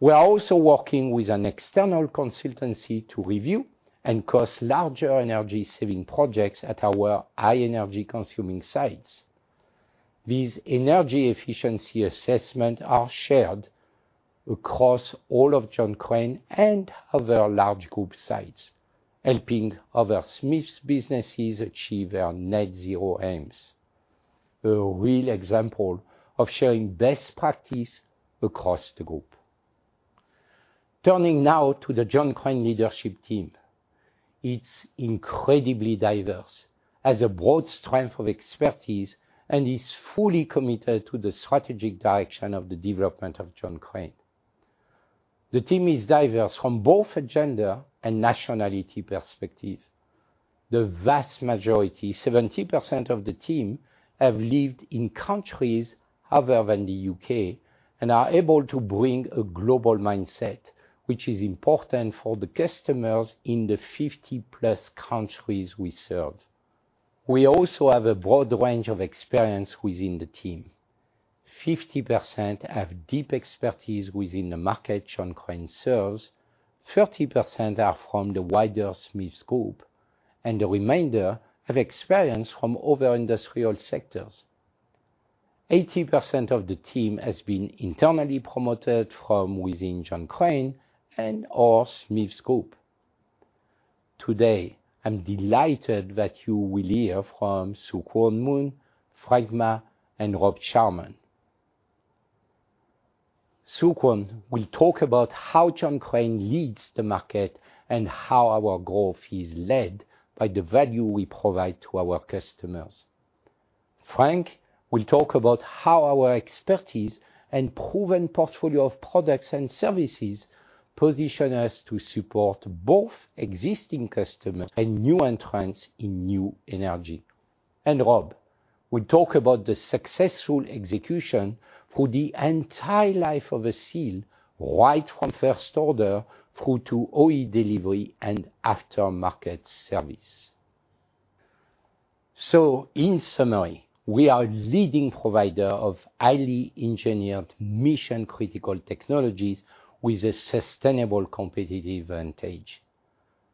We are also working with an external consultancy to review and cost larger energy-saving projects at our high energy-consuming sites. These energy efficiency assessments are shared-... Across all of John Crane and other large group sites, helping other Smiths businesses achieve their net zero aims. A real example of sharing best practice across the Group. Turning now to the John Crane leadership team, it's incredibly diverse, has a broad strength of expertise, and is fully committed to the strategic direction of the development of John Crane. The team is diverse from both a gender and nationality perspective. The vast majority, 70% of the team, have lived in countries other than the U.K., and are able to bring a global mindset, which is important for the customers in the 50+ countries we serve. We also have a broad range of experience within the team. 50% have deep expertise within the market John Crane serves, 30% are from the wider Smiths Group, and the remainder have experience from other industrial sectors. 80% of the team has been internally promoted from within John Crane and/or Smiths Group. Today, I'm delighted that you will hear from Sook Won Moon, Frank Ma, and Rob Sharman. Sook Won Moon will talk about how John Crane leads the market and how our growth is led by the value we provide to our customers. Frank will talk about how our expertise and proven portfolio of products and services position us to support both existing customers and new entrants in new energy. Rob will talk about the successful execution for the entire life of a seal, right from first order through to OE delivery and aftermarket service. So in summary, we are a leading provider of highly engineered mission-critical technologies with a sustainable competitive advantage.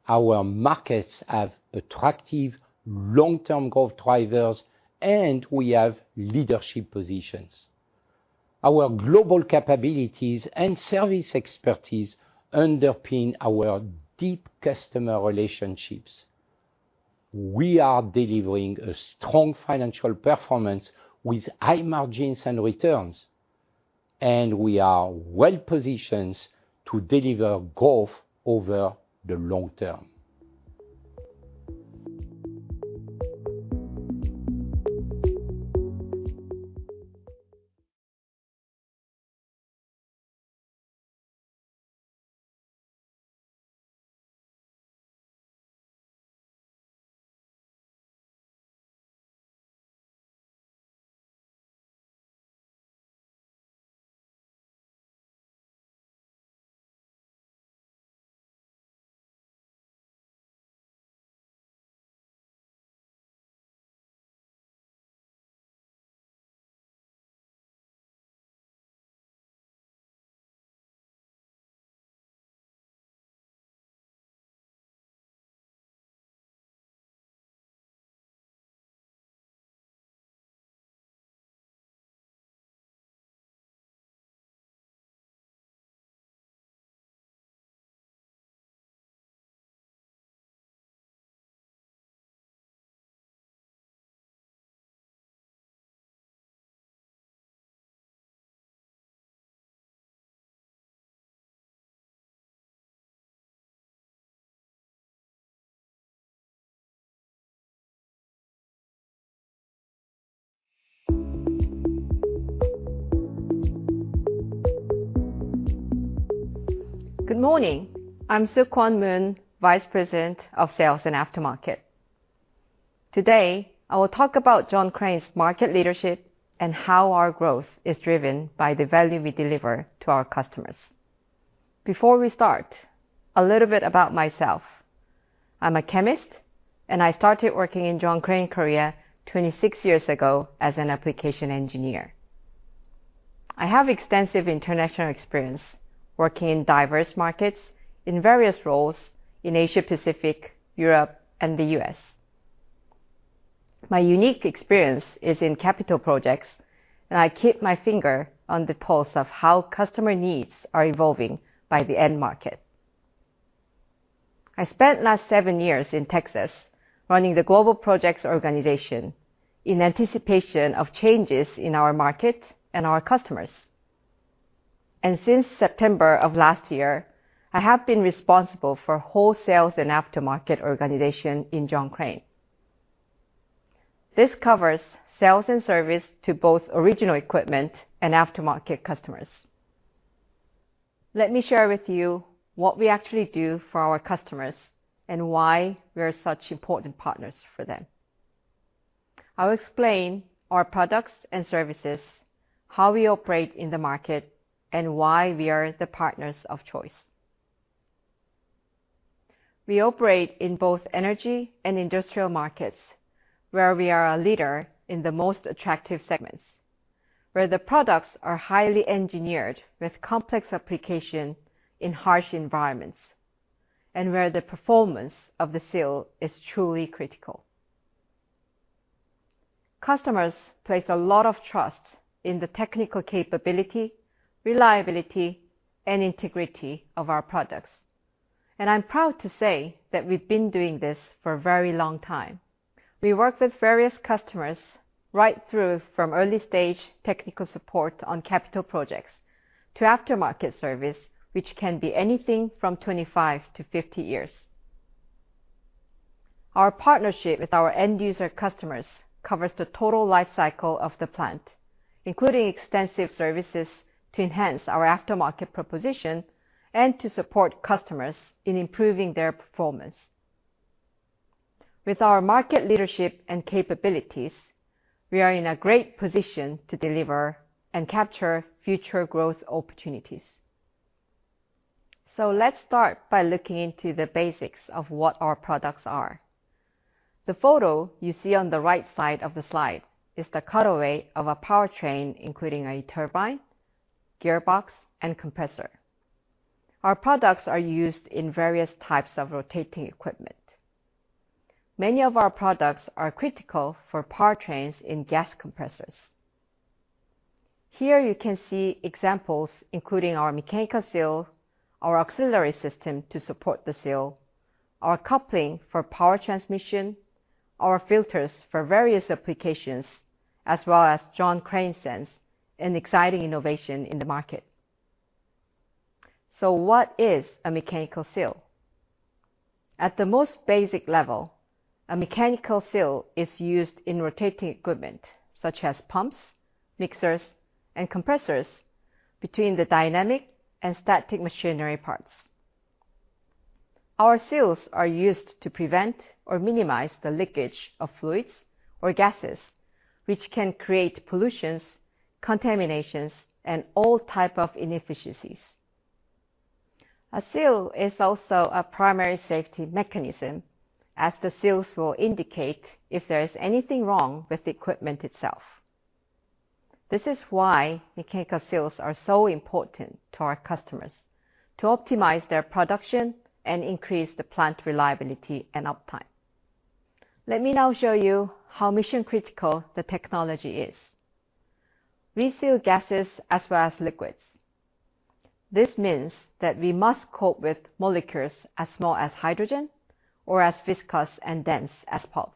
Our markets have attractive long-term growth drivers, and we have leadership positions. Our global capabilities and service expertise underpin our deep customer relationships. We are delivering a strong financial performance with high margins and returns, and we are well-positioned to deliver growth over the long term. Good morning. I'm Sook Won Moon, Vice President of Sales and Aftermarket. Today, I will talk about John Crane's market leadership and how our growth is driven by the value we deliver to our customers. Before we start, a little bit about myself. I'm a chemist, and I started working in John Crane, Korea, 26 years ago as an application engineer. I have extensive international experience working in diverse markets in various roles in Asia Pacific, Europe, and the U.S. My unique experience is in capital projects, and I keep my finger on the pulse of how customer needs are evolving by the end market. I spent last 7 years in Texas, running the global projects organization in anticipation of changes in our market and our customers. Since September of last year, I have been responsible for sales and aftermarket organization in John Crane. This covers sales and service to both original equipment and aftermarket customers. Let me share with you what we actually do for our customers and why we are such important partners for them. I'll explain our products and services, how we operate in the market, and why we are the partners of choice. We operate in both energy and industrial markets, where we are a leader in the most attractive segments, where the products are highly engineered with complex application in harsh environments, and where the performance of the seal is truly critical. Customers place a lot of trust in the technical capability, reliability, and integrity of our products, and I'm proud to say that we've been doing this for a very long time. We work with various customers right through from early stage technical support on capital projects to aftermarket service, which can be anything from 25-50 years. Our partnership with our end user customers covers the total life cycle of the plant, including extensive services to enhance our aftermarket proposition and to support customers in improving their performance. With our market leadership and capabilities, we are in a great position to deliver and capture future growth opportunities. So let's start by looking into the basics of what our products are. The photo you see on the right side of the slide is the cutaway of a powertrain, including a turbine, gearbox, and compressor. Our products are used in various types of rotating equipment. Many of our products are critical for powertrains in gas compressors. Here you can see examples, including our mechanical seal, our auxiliary system to support the seal, our coupling for power transmission, our filters for various applications, as well as John Crane Sense, an exciting innovation in the market. So what is a mechanical seal? At the most basic level, a mechanical seal is used in rotating equipment, such as pumps, mixers, and compressors, between the dynamic and static machinery parts. Our seals are used to prevent or minimize the leakage of fluids or gases, which can create pollution, contamination, and all types of inefficiencies. A seal is also a primary safety mechanism, as the seals will indicate if there is anything wrong with the equipment itself. This is why mechanical seals are so important to our customers to optimize their production and increase the plant reliability and uptime. Let me now show you how mission-critical the technology is. We seal gases as well as liquids. This means that we must cope with molecules as small as hydrogen or as viscous and dense as pulp.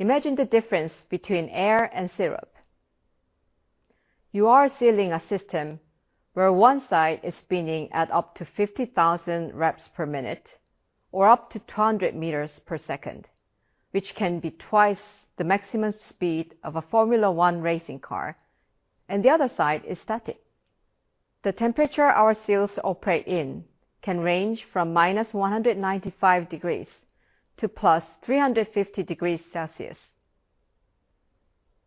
Imagine the difference between air and syrup. You are sealing a system where one side is spinning at up to 50,000 reps per minute or up to 200 meters per second, which can be twice the maximum speed of a Formula One racing car, and the other side is static. The temperature our seals operate in can range from -195 degrees to +350 degrees Celsius.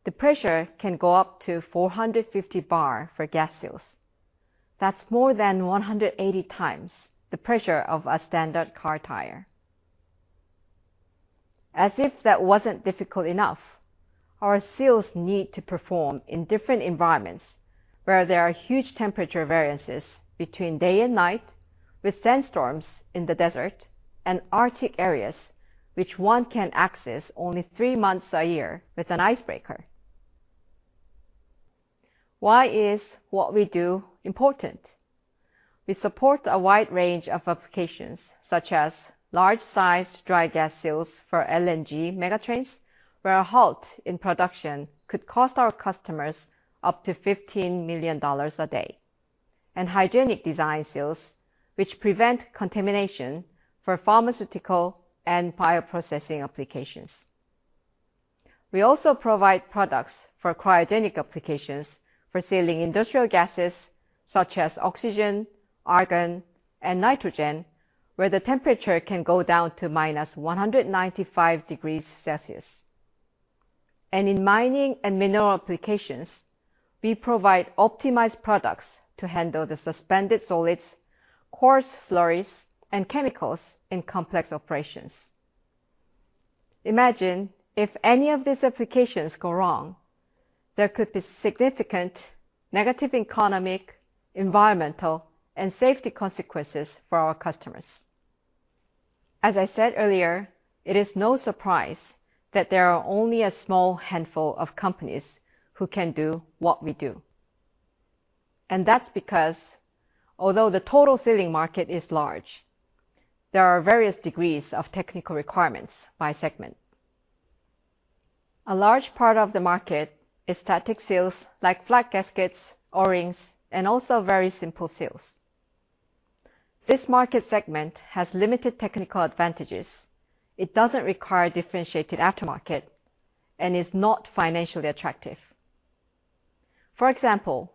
The pressure can go up to 450 bar for gas seals. That's more than 180 times the pressure of a standard car tire. As if that wasn't difficult enough, our seals need to perform in different environments where there are huge temperature variances between day and night, with sandstorms in the desert and Arctic areas, which one can access only three months a year with an icebreaker. Why is what we do important? We support a wide range of applications, such as large-sized dry gas seals for LNG mega trains, where a halt in production could cost our customers up to $15 million a day, and hygienic design seals, which prevent contamination for pharmaceutical and bioprocessing applications. We also provide products for cryogenic applications, for sealing industrial gases such as oxygen, argon, and nitrogen, where the temperature can go down to minus 195 degrees Celsius. In mining and mineral applications, we provide optimized products to handle the suspended solids, coarse slurries, and chemicals in complex operations. Imagine if any of these applications go wrong, there could be significant negative economic, environmental, and safety consequences for our customers. As I said earlier, it is no surprise that there are only a small handful of companies who can do what we do. That's because although the total sealing market is large, there are various degrees of technical requirements by segment. A large part of the market is static seals like flat gaskets, O-rings, and also very simple seals. This market segment has limited technical advantages. It doesn't require differentiated aftermarket and is not financially attractive. For example,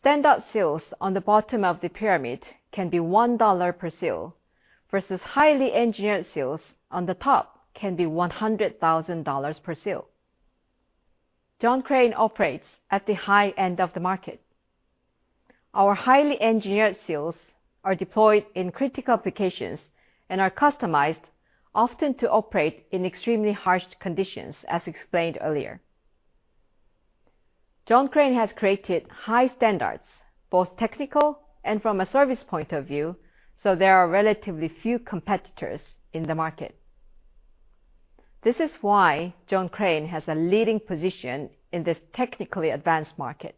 standard seals on the bottom of the pyramid can be $1 per seal, versus highly engineered seals on the top can be $100,000 per seal. John Crane operates at the high end of the market. Our highly engineered seals are deployed in critical applications and are customized often to operate in extremely harsh conditions, as explained earlier. John Crane has created high standards, both technical and from a service point of view, so there are relatively few competitors in the market. This is why John Crane has a leading position in this technically advanced market.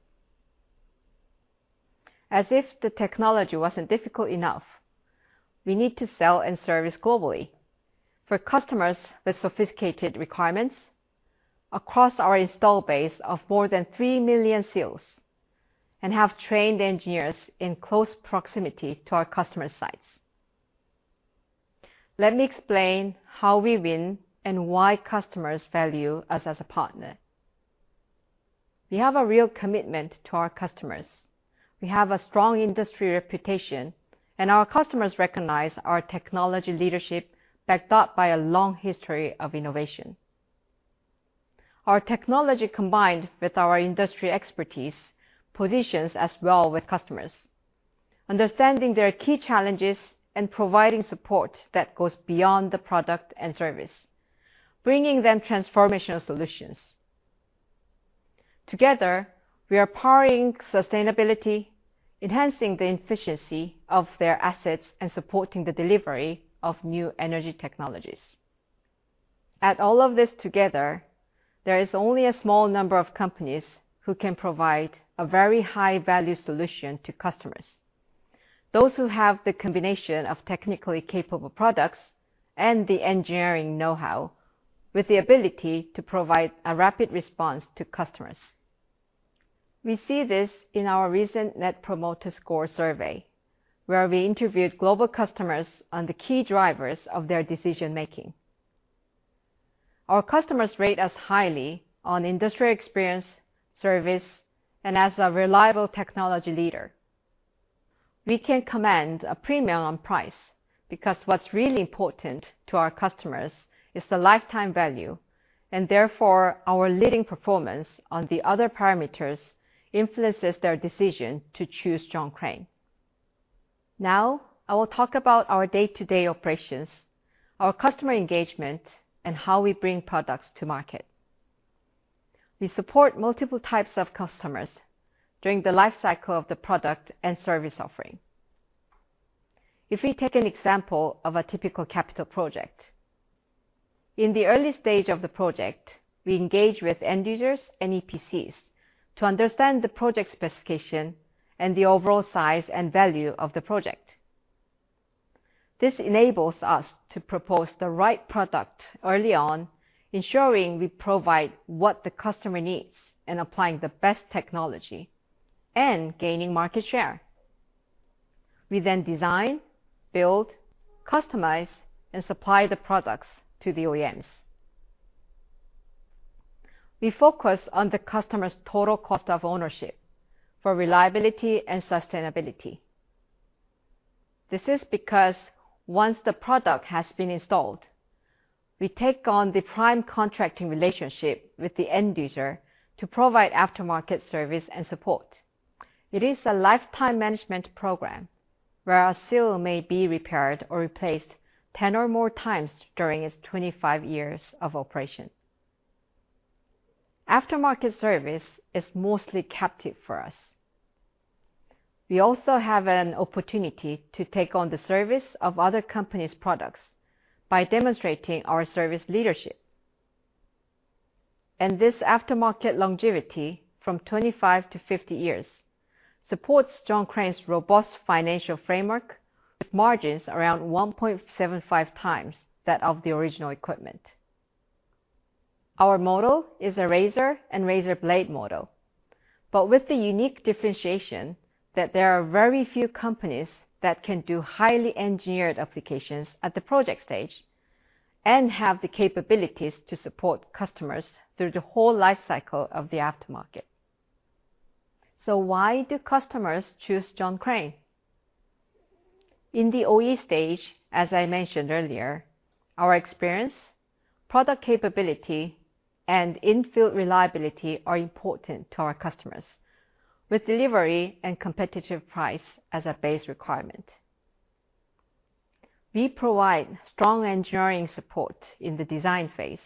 As if the technology wasn't difficult enough, we need to sell and service globally for customers with sophisticated requirements across our installed base of more than 3 million seals, and have trained engineers in close proximity to our customer sites. Let me explain how we win and why customers value us as a partner. We have a real commitment to our customers. We have a strong industry reputation, and our customers recognize our technology leadership, backed up by a long history of innovation. Our technology, combined with our industry expertise, positions us well with customers, understanding their key challenges and providing support that goes beyond the product and service, bringing them transformational solutions. Together, we are powering sustainability, enhancing the efficiency of their assets, and supporting the delivery of new energy technologies. Add all of this together, there is only a small number of companies who can provide a very high-value solution to customers, those who have the combination of technically capable products and the engineering know-how, with the ability to provide a rapid response to customers. We see this in our recent Net Promoter Score survey, where we interviewed global customers on the key drivers of their decision making. Our customers rate us highly on industry experience, service, and as a reliable technology leader. We can command a premium on price, because what's really important to our customers is the lifetime value, and therefore, our leading performance on the other parameters influences their decision to choose John Crane. Now, I will talk about our day-to-day operations, our customer engagement, and how we bring products to market. We support multiple types of customers during the life cycle of the product and service offering. If we take an example of a typical capital project, in the early stage of the project, we engage with end users and EPCs to understand the project specification and the overall size and value of the project. This enables us to propose the right product early on, ensuring we provide what the customer needs, and applying the best technology and gaining market share. We then design, build, customize, and supply the products to the OEMs. We focus on the customer's total cost of ownership for reliability and sustainability. This is because once the product has been installed, we take on the prime contracting relationship with the end user to provide aftermarket service and support. It is a lifetime management program, where our seal may be repaired or replaced 10 or more times during its 25 years of operation. Aftermarket service is mostly captive for us. We also have an opportunity to take on the service of other companies' products by demonstrating our service leadership. This aftermarket longevity, from 25 to 50 years, supports John Crane's robust financial framework, with margins around 1.75x that of the original equipment. Our model is a razor and razor blade model, but with the unique differentiation that there are very few companies that can do highly engineered applications at the project stage and have the capabilities to support customers through the whole life cycle of the aftermarket. So why do customers choose John Crane? In the OE stage, as I mentioned earlier, our experience, product capability, and in-field reliability are important to our customers, with delivery and competitive price as a base requirement. We provide strong engineering support in the design phase,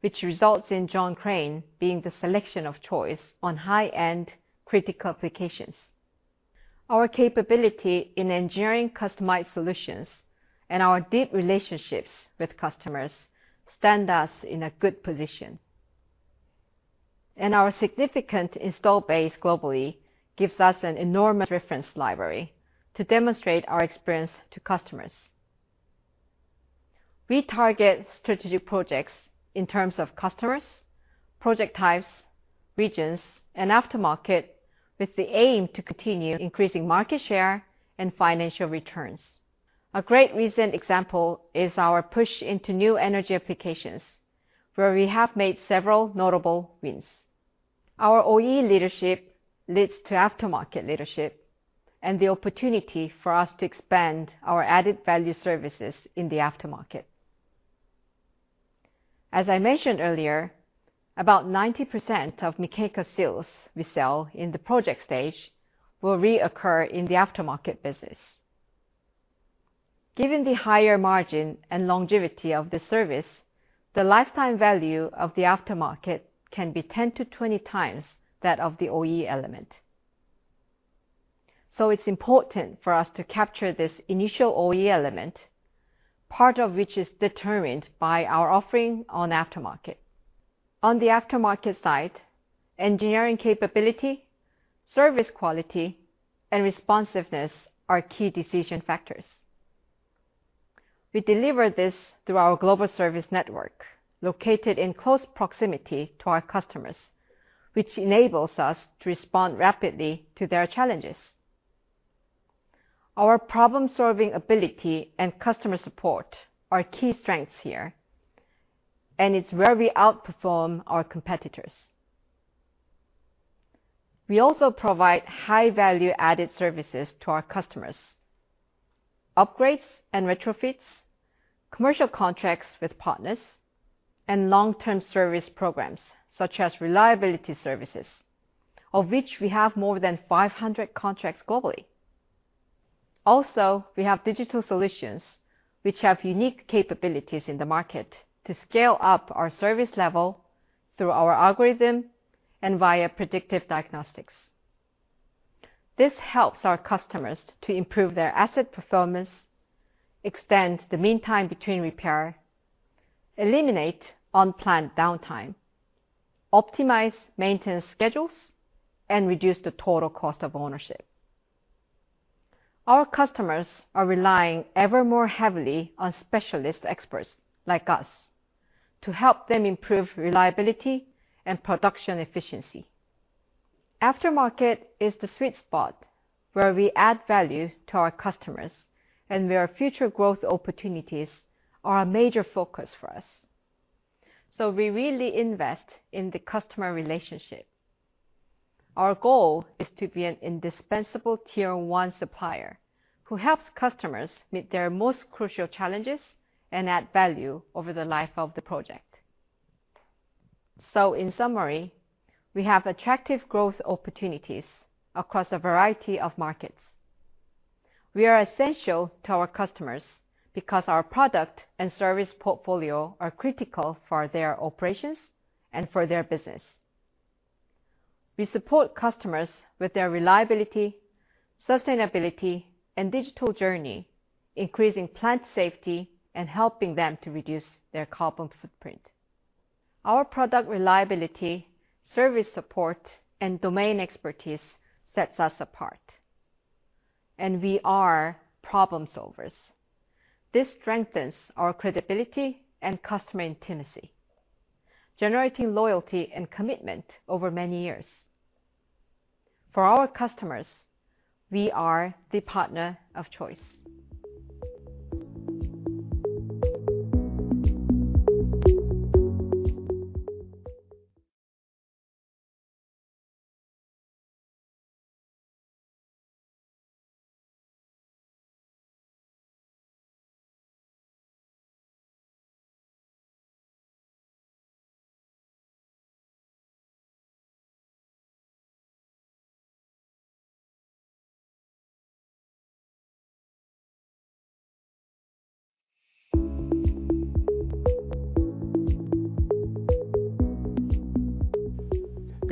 which results in John Crane being the selection of choice on high-end, critical applications. Our capability in engineering customized solutions and our deep relationships with customers stand us in a good position. Our significant installed base globally gives us an enormous reference library to demonstrate our experience to customers. We target strategic projects in terms of customers, project types, regions, and aftermarket, with the aim to continue increasing market share and financial returns. A great recent example is our push into new energy applications, where we have made several notable wins. Our OE leadership leads to aftermarket leadership and the opportunity for us to expand our added value services in the aftermarket. As I mentioned earlier, about 90% of mechanical seals we sell in the project stage will reoccur in the aftermarket business. Given the higher margin and longevity of the service, the lifetime value of the aftermarket can be 10-20 times that of the OE element. So it's important for us to capture this initial OE element, part of which is determined by our offering on aftermarket. On the aftermarket side, engineering capability, service quality, and responsiveness are key decision factors. We deliver this through our global service network, located in close proximity to our customers, which enables us to respond rapidly to their challenges. Our problem-solving ability and customer support are key strengths here, and it's where we outperform our competitors. We also provide high value-added services to our customers, upgrades and retrofits, commercial contracts with partners, and long-term service programs, such as reliability services, of which we have more than 500 contracts globally. Also, we have digital solutions, which have unique capabilities in the market, to scale up our service level through our algorithm and via predictive diagnostics. This helps our customers to improve their asset performance, extend the mean time between repair, eliminate unplanned downtime, optimize maintenance schedules, and reduce the total cost of ownership. Our customers are relying ever more heavily on specialist experts like us to help them improve reliability and production efficiency. Aftermarket is the sweet spot where we add value to our customers and where future growth opportunities are a major focus for us. We really invest in the customer relationship. Our goal is to be an indispensable tier one supplier, who helps customers meet their most crucial challenges and add value over the life of the project. In summary, we have attractive growth opportunities across a variety of markets. We are essential to our customers because our product and service portfolio are critical for their operations and for their business. We support customers with their reliability, sustainability, and digital journey, increasing plant safety and helping them to reduce their carbon footprint. Our product reliability, service support, and domain expertise sets us apart, and we are problem solvers. This strengthens our credibility and customer intimacy, generating loyalty and commitment over many years. For our customers, we are the partner of choice.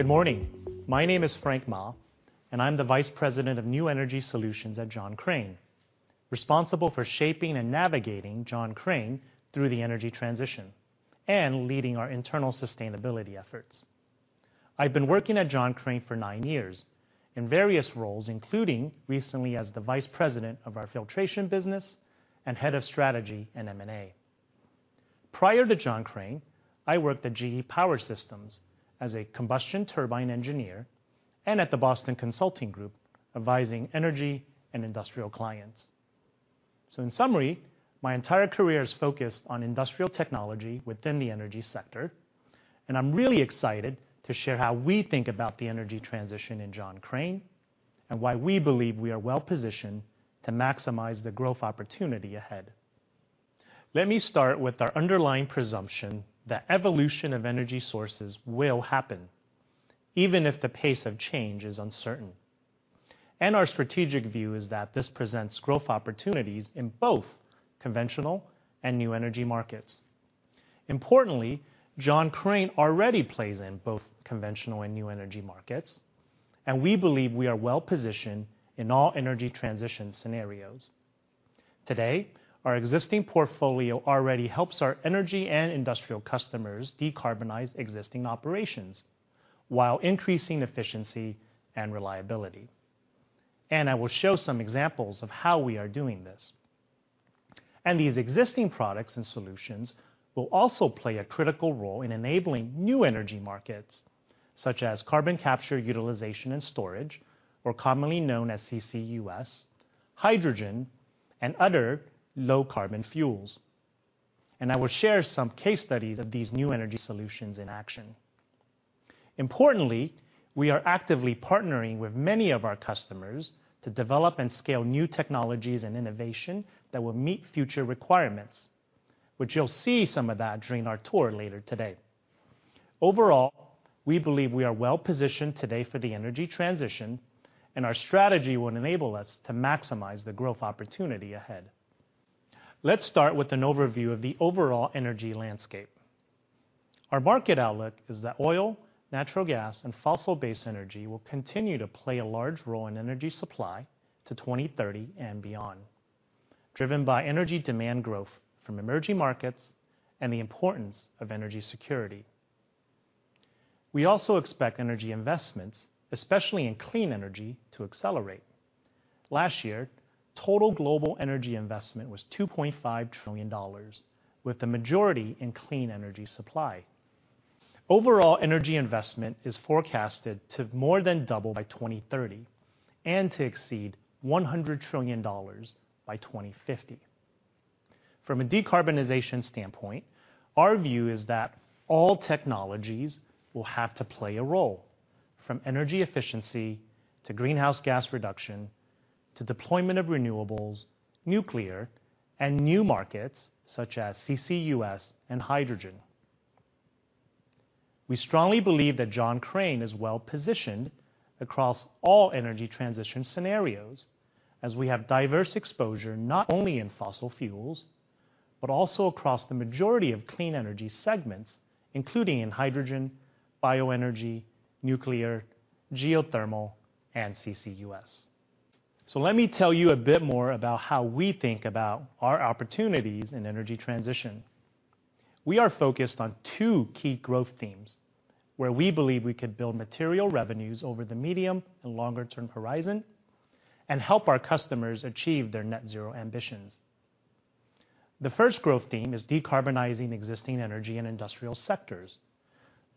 Good morning. My name is Frank Ma, and I'm the vice president of New Energy Solutions at John Crane, responsible for shaping and navigating John Crane through the energy transition and leading our internal sustainability efforts. I've been working at John Crane for nine years in various roles, including recently as the vice president of our filtration business and head of strategy and M&A. Prior to John Crane, I worked at GE Power Systems as a combustion turbine engineer and at the Boston Consulting Group, advising energy and industrial clients. In summary, my entire career is focused on industrial technology within the energy sector, and I'm really excited to share how we think about the energy transition in John Crane and why we believe we are well-positioned to maximize the growth opportunity ahead. Let me start with our underlying presumption that evolution of energy sources will happen, even if the pace of change is uncertain. Our strategic view is that this presents growth opportunities in both conventional and new energy markets. Importantly, John Crane already plays in both conventional and new energy markets, and we believe we are well-positioned in all energy transition scenarios. Today, our existing portfolio already helps our energy and industrial customers decarbonize existing operations while increasing efficiency and reliability. I will show some examples of how we are doing this. These existing products and solutions will also play a critical role in enabling new energy markets, such as carbon capture, utilization, and storage, or commonly known as CCUS, hydrogen, and other low-carbon fuels. I will share some case studies of these new energy solutions in action. Importantly, we are actively partnering with many of our customers to develop and scale new technologies and innovation that will meet future requirements, which you'll see some of that during our tour later today. Overall, we believe we are well-positioned today for the energy transition, and our strategy will enable us to maximize the growth opportunity ahead. Let's start with an overview of the overall energy landscape. Our market outlook is that oil, natural gas, and fossil-based energy will continue to play a large role in energy supply to 2030 and beyond, driven by energy demand growth from emerging markets and the importance of energy security. We also expect energy investments, especially in clean energy, to accelerate. Last year, total global energy investment was $2.5 trillion, with the majority in clean energy supply. Overall, energy investment is forecasted to more than double by 2030 and to exceed $100 trillion by 2050. From a decarbonization standpoint, our view is that all technologies will have to play a role, from energy efficiency to greenhouse gas reduction, to deployment of renewables, nuclear, and new markets, such as CCUS and hydrogen. We strongly believe that John Crane is well-positioned across all energy transition scenarios, as we have diverse exposure, not only in fossil fuels, but also across the majority of clean energy segments, including in hydrogen, bioenergy, nuclear, geothermal, and CCUS. Let me tell you a bit more about how we think about our opportunities in energy transition. We are focused on two key growth themes, where we believe we could build material revenues over the medium and longer-term horizon and help our customers achieve their net zero ambitions. The first growth theme is decarbonizing existing energy and industrial sectors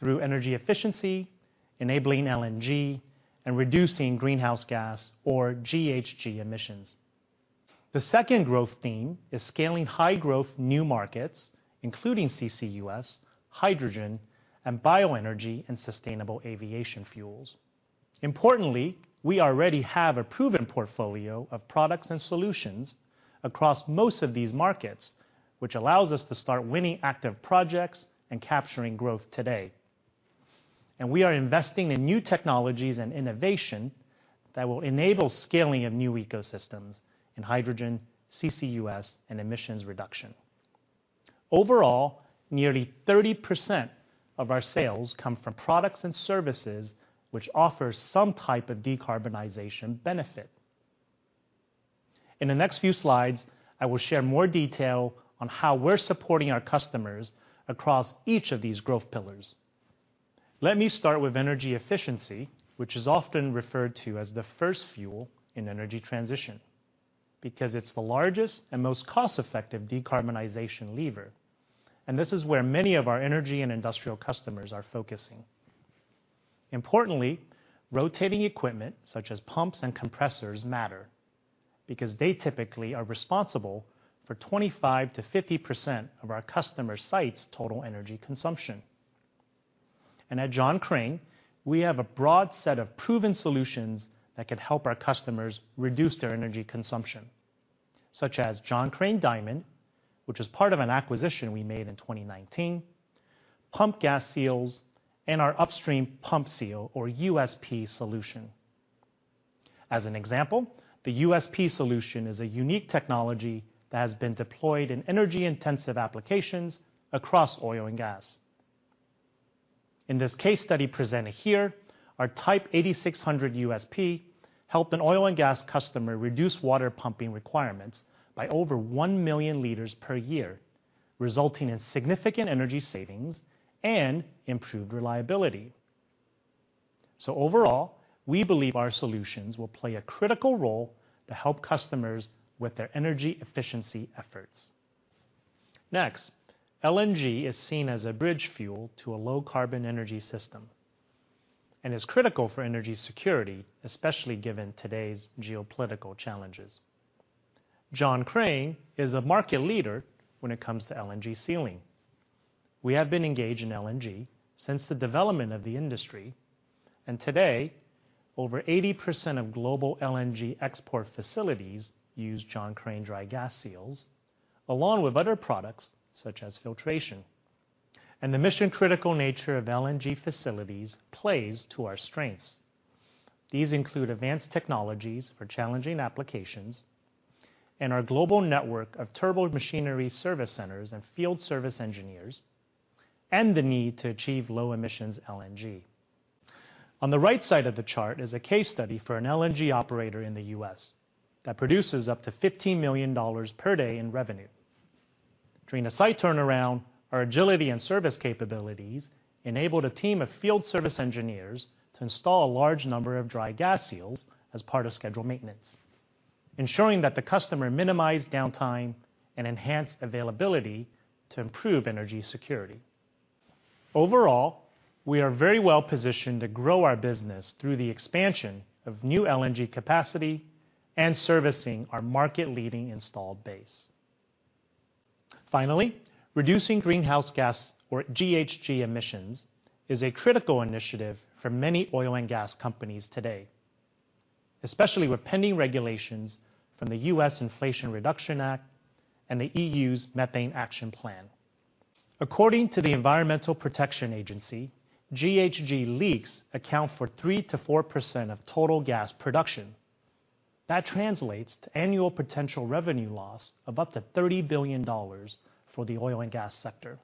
through energy efficiency, enabling LNG, and reducing greenhouse gas or GHG emissions. The second growth theme is scaling high-growth new markets, including CCUS, hydrogen, and bioenergy, and sustainable aviation fuels. Importantly, we already have a proven portfolio of products and solutions across most of these markets, which allows us to start winning active projects and capturing growth today. We are investing in new technologies and innovation that will enable scaling of new ecosystems in hydrogen, CCUS, and emissions reduction. Overall, nearly 30% of our sales come from products and services which offer some type of decarbonization benefit. In the next few slides, I will share more detail on how we're supporting our customers across each of these growth pillars. Let me start with energy efficiency, which is often referred to as the first fuel in energy transition, because it's the largest and most cost-effective decarbonization lever, and this is where many of our energy and industrial customers are focusing. Importantly, rotating equipment, such as pumps and compressors, matter because they typically are responsible for 25%-50% of our customer site's total energy consumption. At John Crane, we have a broad set of proven solutions that can help our customers reduce their energy consumption, such as John Crane Diamond, which is part of an acquisition we made in 2019, pump gas seals, and our Upstream Pumping Seal or USP solution. As an example, the USP solution is a unique technology that has been deployed in energy-intensive applications across oil and gas. In this case study presented here, our Type 8610USP helped an oil and gas customer reduce water pumping requirements by over 1 million liters per year, resulting in significant energy savings and improved reliability. So overall, we believe our solutions will play a critical role to help customers with their energy efficiency efforts. Next, LNG is seen as a bridge fuel to a low-carbon energy system and is critical for energy security, especially given today's geopolitical challenges. John Crane is a market leader when it comes to LNG sealing. We have been engaged in LNG since the development of the industry, and today, over 80% of global LNG export facilities use John Crane dry gas seals, along with other products such as filtration. And the mission-critical nature of LNG facilities plays to our strengths. These include advanced technologies for challenging applications and our global network of turbomachinery service centers and field service engineers, and the need to achieve low emissions LNG. On the right side of the chart is a case study for an LNG operator in the U.S. that produces up to $15 million per day in revenue. During a site turnaround, our agility and service capabilities enabled a team of field service engineers to install a large number of dry gas seals as part of scheduled maintenance, ensuring that the customer minimized downtime and enhanced availability to improve energy security. Overall, we are very well positioned to grow our business through the expansion of new LNG capacity and servicing our market-leading installed base. Finally, reducing greenhouse gas or GHG emissions is a critical initiative for many oil and gas companies today. especially with pending regulations from the U.S. Inflation Reduction Act and the EU's Methane Action Plan. According to the Environmental Protection Agency, GHG leaks account for 3%-4% of total gas production. That translates to annual potential revenue loss of up to $30 billion for the oil and gas sector.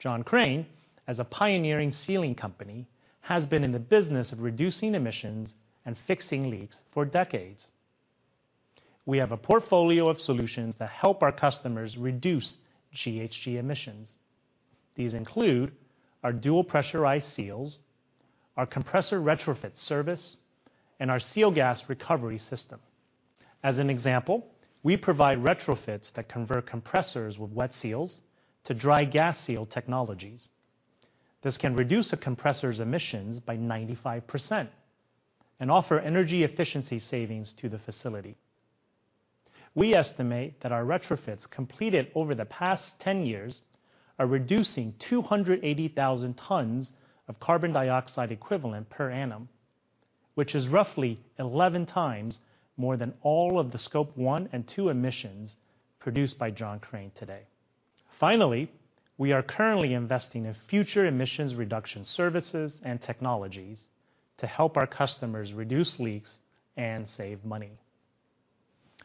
John Crane, as a pioneering sealing company, has been in the business of reducing emissions and fixing leaks for decades. We have a portfolio of solutions that help our customers reduce GHG emissions. These include our dual pressurized seals, our compressor retrofit service, and our seal gas recovery system. As an example, we provide retrofits that convert compressors with wet seals to dry gas seal technologies. This can reduce a compressor's emissions by 95% and offer energy efficiency savings to the facility. We estimate that our retrofits completed over the past 10 years are reducing 280,000 tons of carbon dioxide equivalent per annum, which is roughly 11 times more than all of the Scope 1 and 2 emissions produced by John Crane today. Finally, we are currently investing in future emissions reduction services and technologies to help our customers reduce leaks and save money.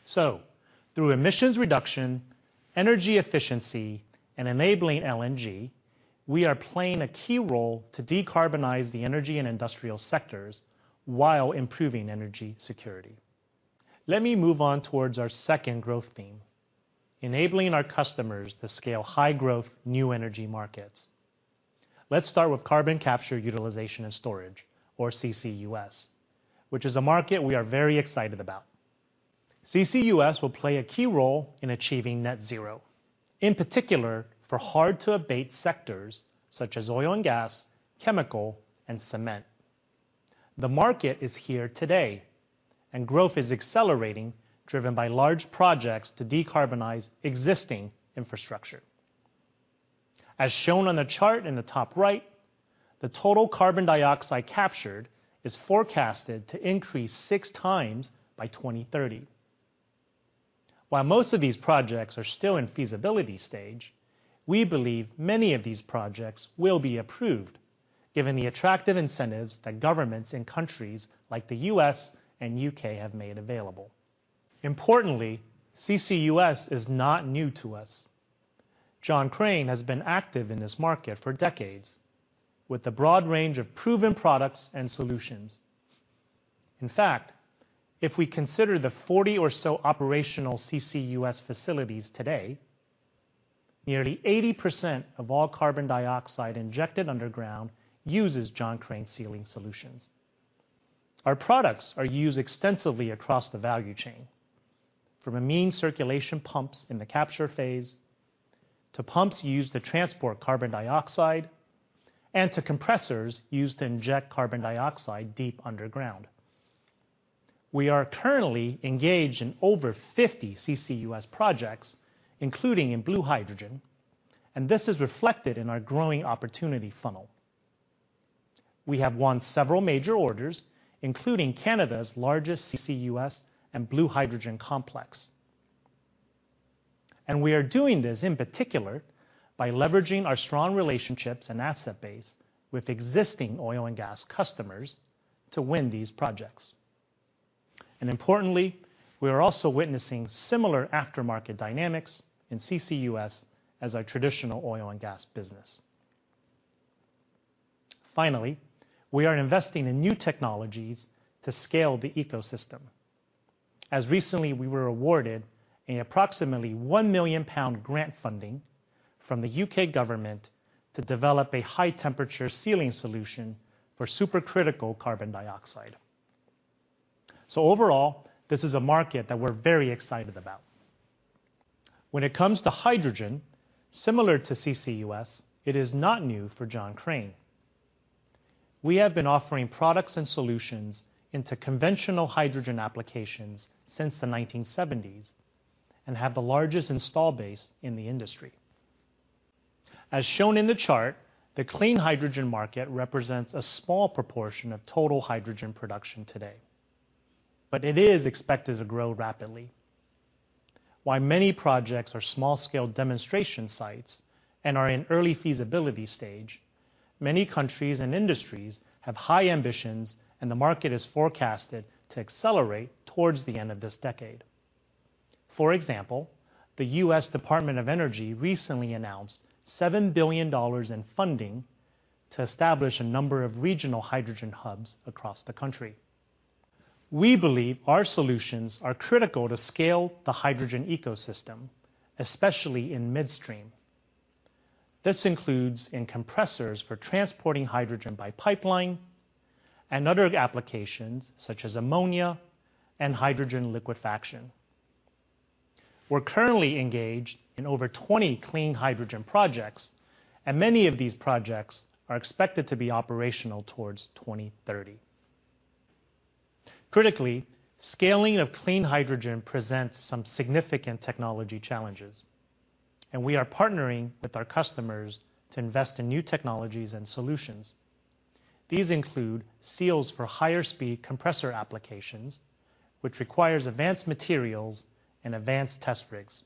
So through emissions reduction, energy efficiency, and enabling LNG, we are playing a key role to decarbonize the energy and industrial sectors while improving energy security. Let me move on towards our second growth theme, enabling our customers to scale high-growth, new energy markets. Let's start with carbon capture, utilization, and storage, or CCUS, which is a market we are very excited about. CCUS will play a key role in achieving net zero, in particular, for hard-to-abate sectors such as oil and gas, chemical, and cement. The market is here today, and growth is accelerating, driven by large projects to decarbonize existing infrastructure. As shown on the chart in the top right, the total carbon dioxide captured is forecasted to increase six times by 2030. While most of these projects are still in feasibility stage, we believe many of these projects will be approved, given the attractive incentives that governments in countries like the U.S. and U.K. have made available. Importantly, CCUS is not new to us. John Crane has been active in this market for decades, with a broad range of proven products and solutions. In fact, if we consider the 40 or so operational CCUS facilities today, nearly 80% of all carbon dioxide injected underground uses John Crane sealing solutions. Our products are used extensively across the value chain, from amine circulation pumps in the capture phase, to pumps used to transport carbon dioxide, and to compressors used to inject carbon dioxide deep underground. We are currently engaged in over 50 CCUS projects, including in blue hydrogen, and this is reflected in our growing opportunity funnel. We have won several major orders, including Canada's largest CCUS and blue hydrogen complex. We are doing this in particular by leveraging our strong relationships and asset base with existing oil and gas customers to win these projects. Importantly, we are also witnessing similar aftermarket dynamics in CCUS as our traditional oil and gas business. Finally, we are investing in new technologies to scale the ecosystem. As recently, we were awarded approximately 1 million pound grant funding from the U.K. government to develop a high-temperature sealing solution for supercritical carbon dioxide. So overall, this is a market that we're very excited about. When it comes to hydrogen, similar to CCUS, it is not new for John Crane. We have been offering products and solutions into conventional hydrogen applications since the 1970s and have the largest installed base in the industry. As shown in the chart, the clean hydrogen market represents a small proportion of total hydrogen production today, but it is expected to grow rapidly. While many projects are small-scale demonstration sites and are in early feasibility stage, many countries and industries have high ambitions, and the market is forecasted to accelerate towards the end of this decade. For example, the U.S. Department of Energy recently announced $7 billion in funding to establish a number of regional hydrogen hubs across the country. We believe our solutions are critical to scale the hydrogen ecosystem, especially in midstream. This includes in compressors for transporting hydrogen by pipeline and other applications, such as ammonia and hydrogen liquefaction. We're currently engaged in over 20 clean hydrogen projects, and many of these projects are expected to be operational towards 2030. Critically, scaling of clean hydrogen presents some significant technology challenges... and we are partnering with our customers to invest in new technologies and solutions. These include seals for higher speed compressor applications, which requires advanced materials and advanced test rigs.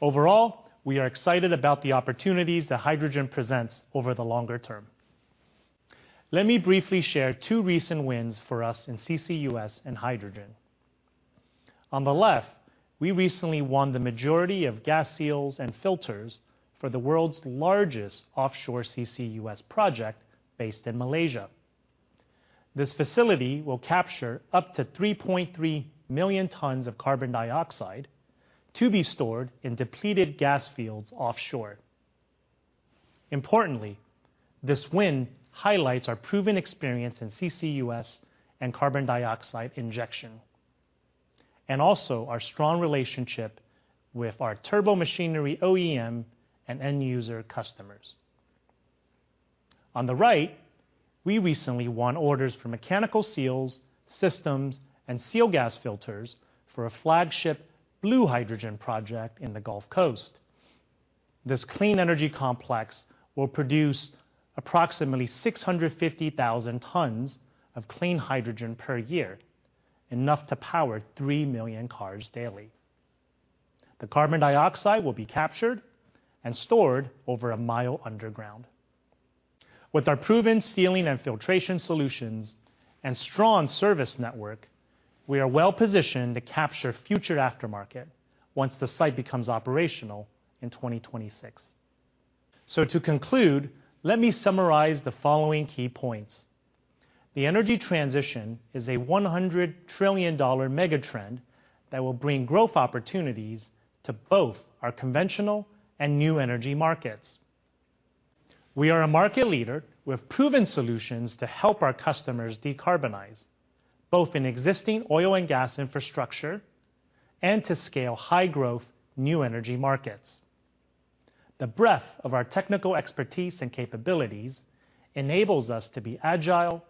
Overall, we are excited about the opportunities that hydrogen presents over the longer term. Let me briefly share 2 recent wins for us in CCUS and hydrogen. On the left, we recently won the majority of gas seals and filters for the world's largest offshore CCUS project based in Malaysia. This facility will capture up to 3.3 million tons of carbon dioxide to be stored in depleted gas fields offshore. Importantly, this win highlights our proven experience in CCUS and carbon dioxide injection, and also our strong relationship with our turbomachinery OEM and end user customers. On the right, we recently won orders for mechanical seals, systems, and seal gas filters for a flagship blue hydrogen project in the Gulf Coast. This clean energy complex will produce approximately 650,000 tons of clean hydrogen per year, enough to power 3 million cars daily. The carbon dioxide will be captured and stored over a mile underground. With our proven sealing and filtration solutions and strong service network, we are well positioned to capture future aftermarket once the site becomes operational in 2026. To conclude, let me summarize the following key points. The energy transition is a $100 trillion mega trend that will bring growth opportunities to both our conventional and new energy markets. We are a market leader with proven solutions to help our customers decarbonize, both in existing oil and gas infrastructure and to scale high growth, new energy markets. The breadth of our technical expertise and capabilities enables us to be agile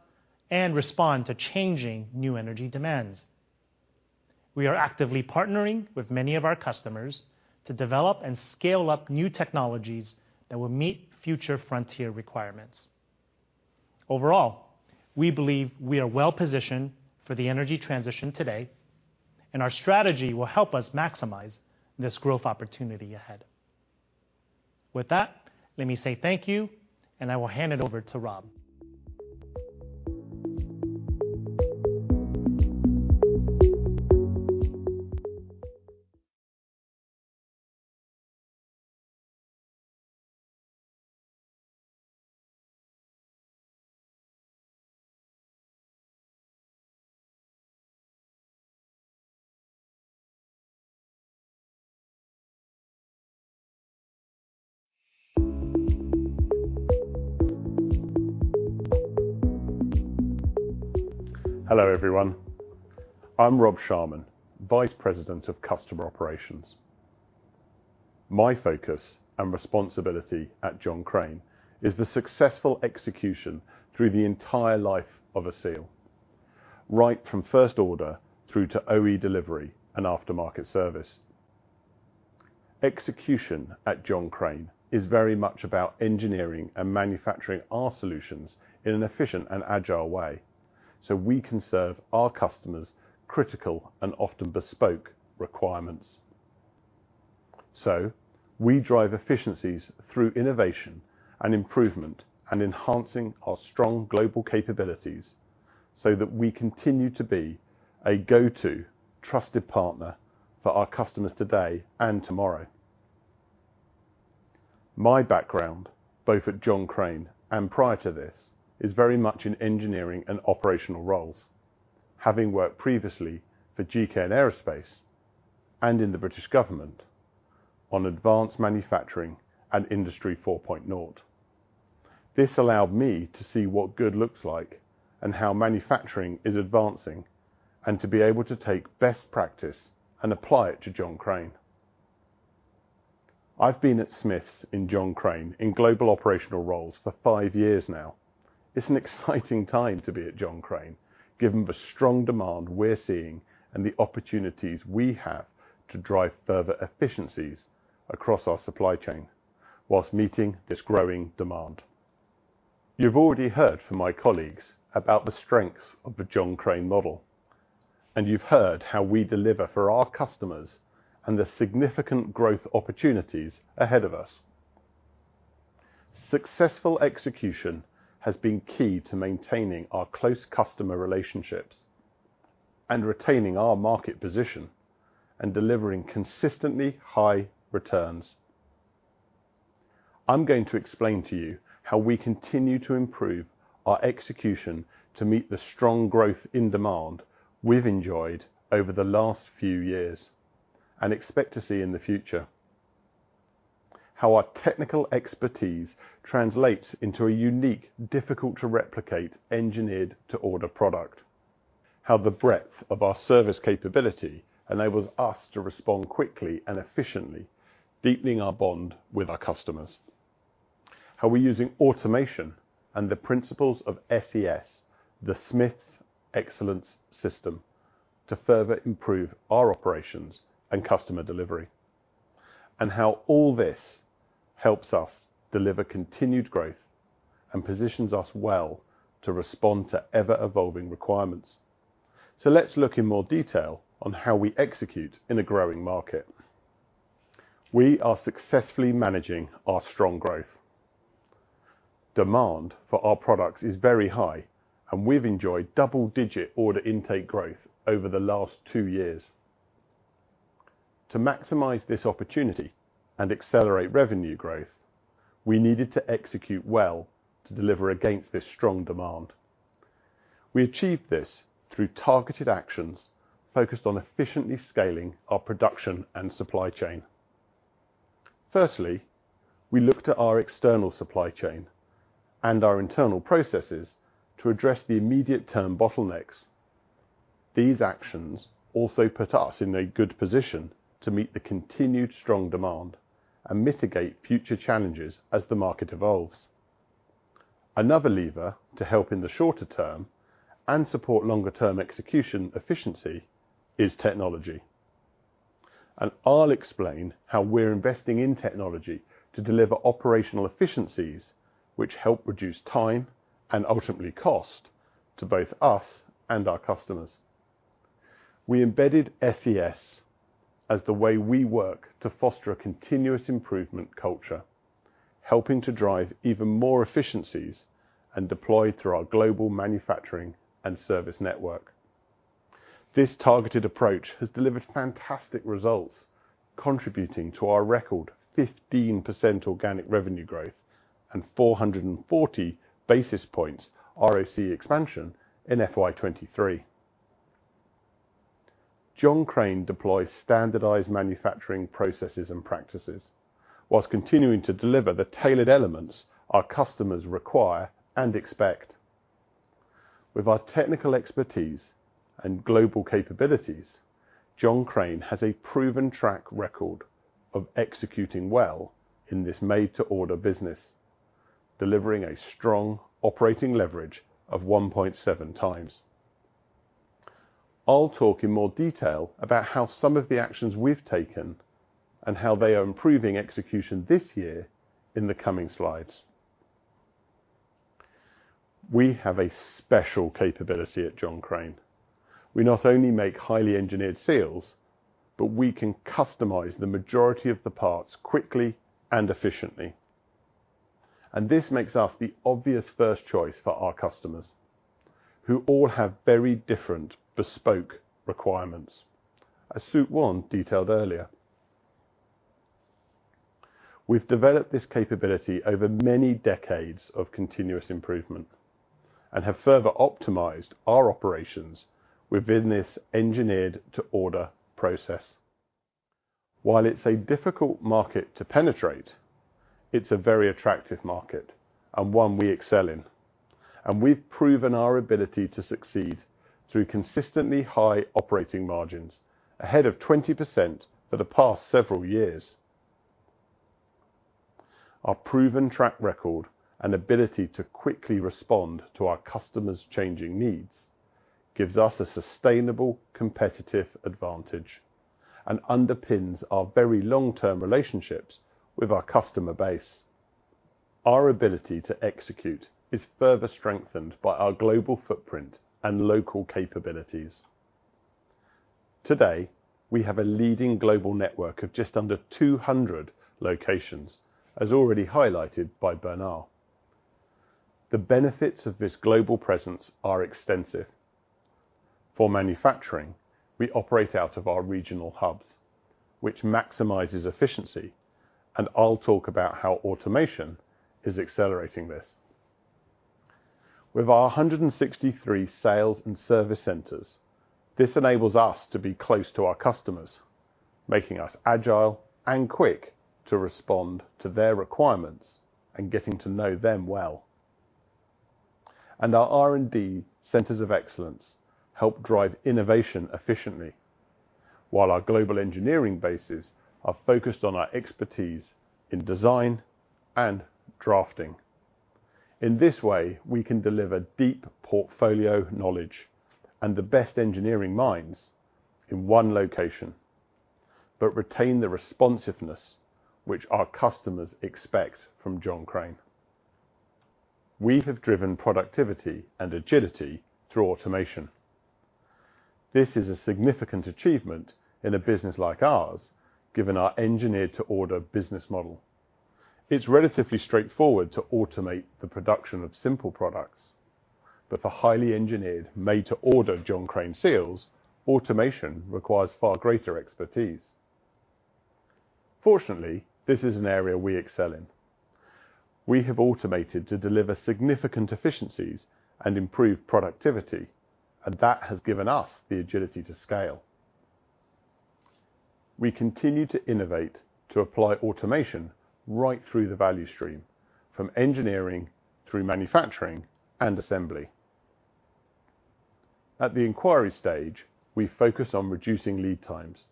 and respond to changing new energy demands. We are actively partnering with many of our customers to develop and scale up new technologies that will meet future frontier requirements. Overall, we believe we are well positioned for the energy transition today, and our strategy will help us maximize this growth opportunity ahead. With that, let me say thank you, and I will hand it over to Rob. Hello, everyone. I'm Rob Sharman, Vice President of Customer Operations. My focus and responsibility at John Crane is the successful execution through the entire life of a seal, right from first order through to OE delivery and aftermarket service. Execution at John Crane is very much about engineering and manufacturing our solutions in an efficient and agile way, so we can serve our customers critical and often bespoke requirements. So we drive efficiencies through innovation and improvement and enhancing our strong global capabilities so that we continue to be a go-to trusted partner for our customers today and tomorrow. My background, both at John Crane and prior to this, is very much in engineering and operational roles, having worked previously for GKN Aerospace and in the British government on advanced manufacturing and Industry 4.0. This allowed me to see what good looks like and how manufacturing is advancing, and to be able to take best practice and apply it to John Crane. I've been at Smiths in John Crane in global operational roles for five years now. It's an exciting time to be at John Crane, given the strong demand we're seeing and the opportunities we have to drive further efficiencies across our supply chain while meeting this growing demand. You've already heard from my colleagues about the strengths of the John Crane model, and you've heard how we deliver for our customers and the significant growth opportunities ahead of us. Successful execution has been key to maintaining our close customer relationships and retaining our market position and delivering consistently high returns. I'm going to explain to you how we continue to improve our execution to meet the strong growth in demand we've enjoyed over the last few years and expect to see in the future. How our technical expertise translates into a unique, difficult-to-replicate, engineered-to-order product. How the breadth of our service capability enables us to respond quickly and efficiently, deepening our bond with our customers.... how we're using automation and the principles of SES, the Smiths Excellence System, to further improve our operations and customer delivery, and how all this helps us deliver continued growth and positions us well to respond to ever-evolving requirements. So let's look in more detail on how we execute in a growing market. We are successfully managing our strong growth. Demand for our products is very high, and we've enjoyed double-digit order intake growth over the last two years. To maximize this opportunity and accelerate revenue growth, we needed to execute well to deliver against this strong demand. We achieved this through targeted actions focused on efficiently scaling our production and supply chain. Firstly, we looked at our external supply chain and our internal processes to address the immediate term bottlenecks. These actions also put us in a good position to meet the continued strong demand and mitigate future challenges as the market evolves. Another lever to help in the shorter term and support longer term execution efficiency is technology, and I'll explain how we're investing in technology to deliver operational efficiencies, which help reduce time and ultimately cost to both us and our customers. We embedded SES as the way we work to foster a continuous improvement culture, helping to drive even more efficiencies and deploy through our global manufacturing and service network. This targeted approach has delivered fantastic results, contributing to our record 15% organic revenue growth and 440 basis points ROCE expansion in FY 2023. John Crane deploys standardized manufacturing processes and practices, while continuing to deliver the tailored elements our customers require and expect. With our technical expertise and global capabilities, John Crane has a proven track record of executing well in this made-to-order business, delivering a strong operating leverage of 1.7x. I'll talk in more detail about how some of the actions we've taken and how they are improving execution this year in the coming slides. We have a special capability at John Crane. We not only make highly engineered seals, but we can customize the majority of the parts quickly and efficiently. This makes us the obvious first choice for our customers, who all have very different bespoke requirements, as Sook Won Moon detailed earlier. We've developed this capability over many decades of continuous improvement and have further optimized our operations within this engineered-to-order process. While it's a difficult market to penetrate, it's a very attractive market and one we excel in, and we've proven our ability to succeed through consistently high operating margins, ahead of 20% for the past several years. Our proven track record and ability to quickly respond to our customers' changing needs gives us a sustainable competitive advantage and underpins our very long-term relationships with our customer base. Our ability to execute is further strengthened by our global footprint and local capabilities. Today, we have a leading global network of just under 200 locations, as already highlighted by Bernard. The benefits of this global presence are extensive. For manufacturing, we operate out of our regional hubs, which maximizes efficiency, and I'll talk about how automation is accelerating this. With our 163 sales and service centers, this enables us to be close to our customers, making us agile and quick to respond to their requirements and getting to know them well. Our R&D centers of excellence help drive innovation efficiently, while our global engineering bases are focused on our expertise in design and drafting. In this way, we can deliver deep portfolio knowledge and the best engineering minds in one location, but retain the responsiveness which our customers expect from John Crane. We have driven productivity and agility through automation. This is a significant achievement in a business like ours, given our engineered-to-order business model. It's relatively straightforward to automate the production of simple products, but for highly engineered, made-to-order John Crane seals, automation requires far greater expertise. Fortunately, this is an area we excel in. We have automated to deliver significant efficiencies and improve productivity, and that has given us the agility to scale. We continue to innovate, to apply automation right through the value stream, from engineering through manufacturing and assembly.... At the inquiry stage, we focus on reducing lead times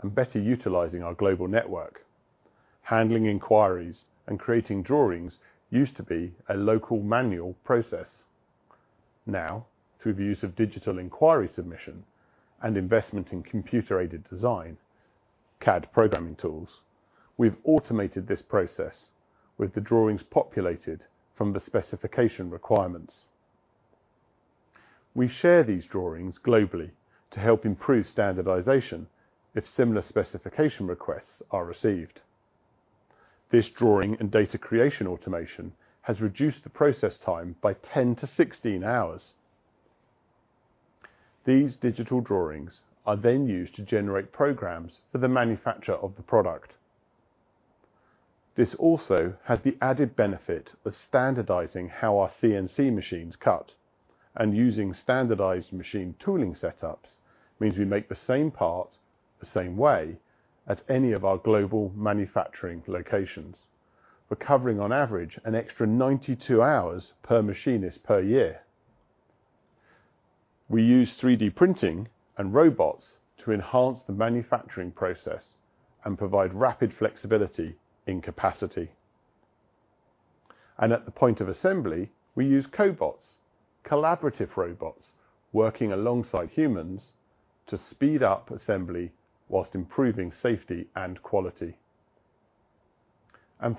and better utilizing our global network. Handling inquiries and creating drawings used to be a local manual process. Now, through the use of digital inquiry submission and investment in computer-aided design, CAD programming tools, we've automated this process with the drawings populated from the specification requirements. We share these drawings globally to help improve standardization if similar specification requests are received. This drawing and data creation automation has reduced the process time by 10 hours-16 hours. These digital drawings are then used to generate programs for the manufacture of the product. This also has the added benefit of standardizing how our CNC machines cut, and using standardized machine tooling setups means we make the same part, the same way, at any of our global manufacturing locations. We're covering on average, an extra 92 hours per machinist per year. We use 3D printing and robots to enhance the manufacturing process and provide rapid flexibility in capacity. At the point of assembly, we use cobots, collaborative robots, working alongside humans to speed up assembly while improving safety and quality.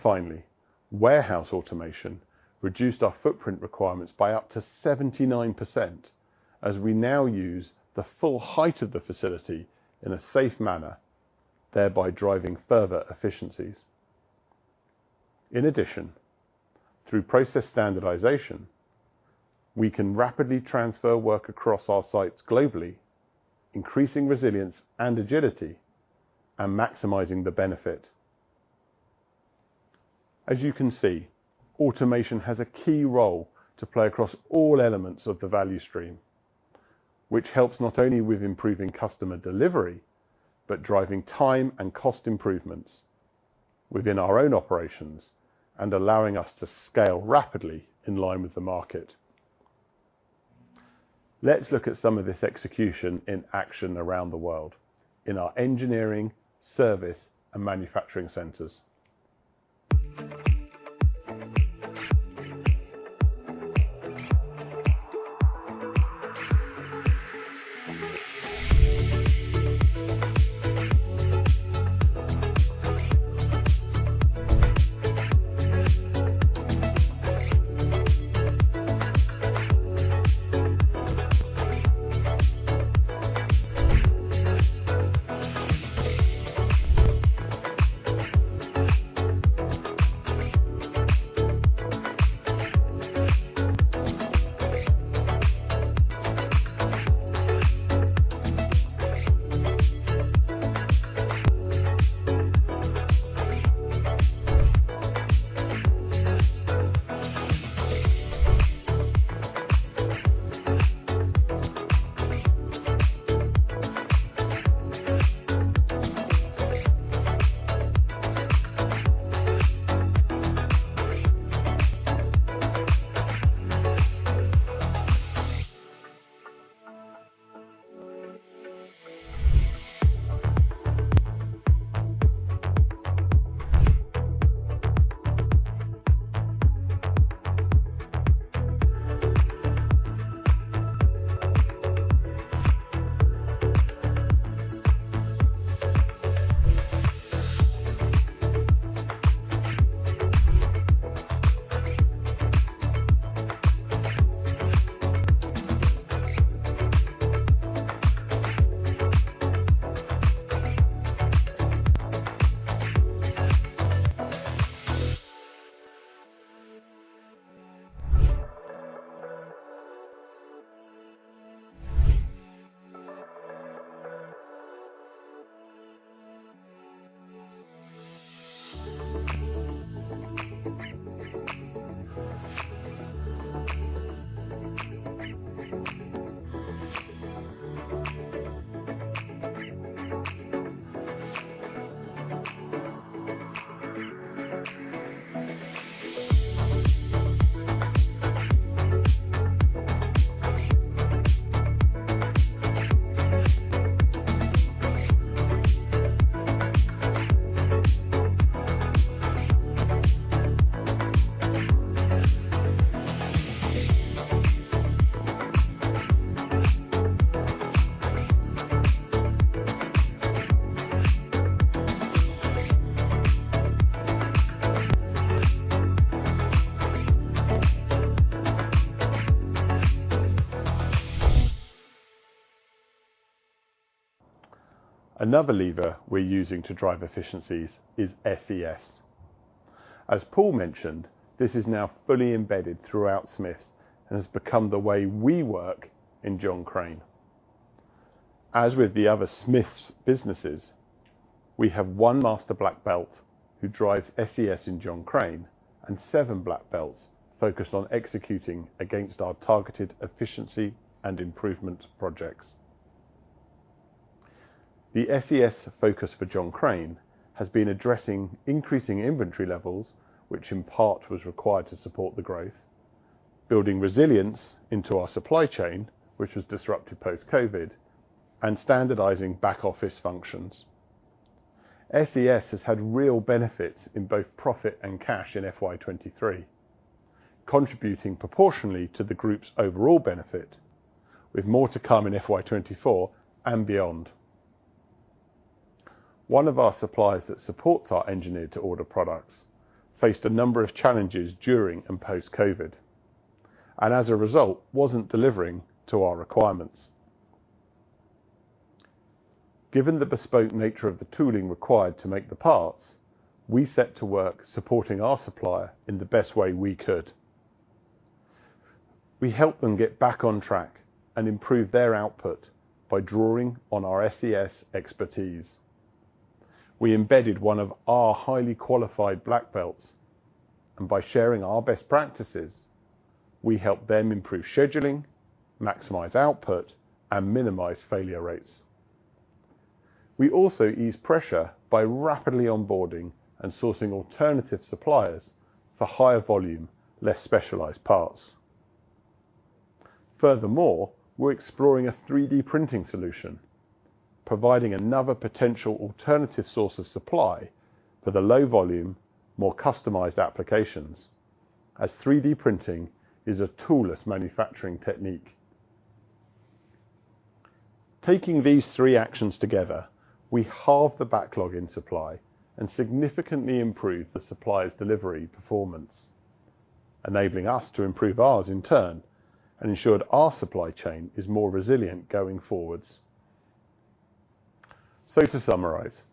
Finally, warehouse automation reduced our footprint requirements by up to 79%, as we now use the full height of the facility in a safe manner, thereby driving further efficiencies. In addition, through process standardization, we can rapidly transfer work across our sites globally, increasing resilience and agility and maximizing the benefit. As you can see, automation has a key role to play across all elements of the value stream, which helps not only with improving customer delivery, but driving time and cost improvements within our own operations and allowing us to scale rapidly in line with the market. Let's look at some of this execution in action around the world in our engineering, service, and manufacturing centers. Another lever we're using to drive efficiencies is SES. As Paul mentioned, this is now fully embedded throughout Smiths and has become the way we work in John Crane. As with the other Smiths businesses, we have one Master Black Belt who drives SES in John Crane, and seven Black Belts focused on executing against our targeted efficiency and improvement projects.... The SES focus for John Crane has been addressing increasing inventory levels, which in part was required to support the growth, building resilience into our supply chain, which was disrupted post-COVID, and standardizing back-office functions. SES has had real benefits in both profit and cash in FY 2023, contributing proportionally to the Group's overall benefit, with more to come in FY 2024 and beyond. One of our suppliers that supports our engineer-to-order products faced a number of challenges during and post-COVID, and as a result, wasn't delivering to our requirements. Given the bespoke nature of the tooling required to make the parts, we set to work supporting our supplier in the best way we could. We helped them get back on track and improve their output by drawing on our SES expertise. We embedded one of our highly qualified Black Belts, and by sharing our best practices, we helped them improve scheduling, maximize output, and minimize failure rates. We also eased pressure by rapidly onboarding and sourcing alternative suppliers for higher volume, less specialized parts. Furthermore, we're exploring a 3D printing solution, providing another potential alternative source of supply for the low volume, more customized applications, as 3D printing is a toolless manufacturing technique. Taking these three actions together, we halved the backlog in supply and significantly improved the supplier's delivery performance, enabling us to improve ours in turn and ensured our supply chain is more resilient going forward. So to summarize,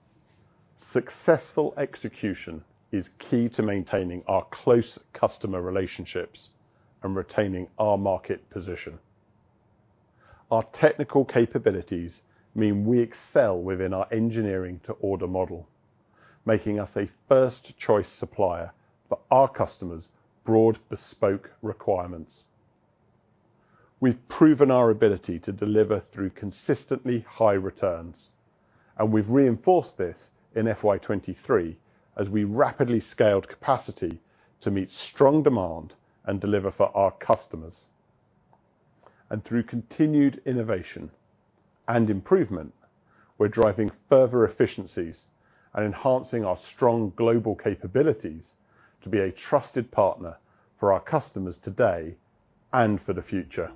successful execution is key to maintaining our close customer relationships and retaining our market position. Our technical capabilities mean we excel within our engineering-to-order model, making us a first-choice supplier for our customers' broad, bespoke requirements. We've proven our ability to deliver through consistently high returns, and we've reinforced this in FY 2023 as we rapidly scaled capacity to meet strong demand and deliver for our customers. Through continued innovation and improvement, we're driving further efficiencies and enhancing our strong global capabilities to be a trusted partner for our customers today and for the future.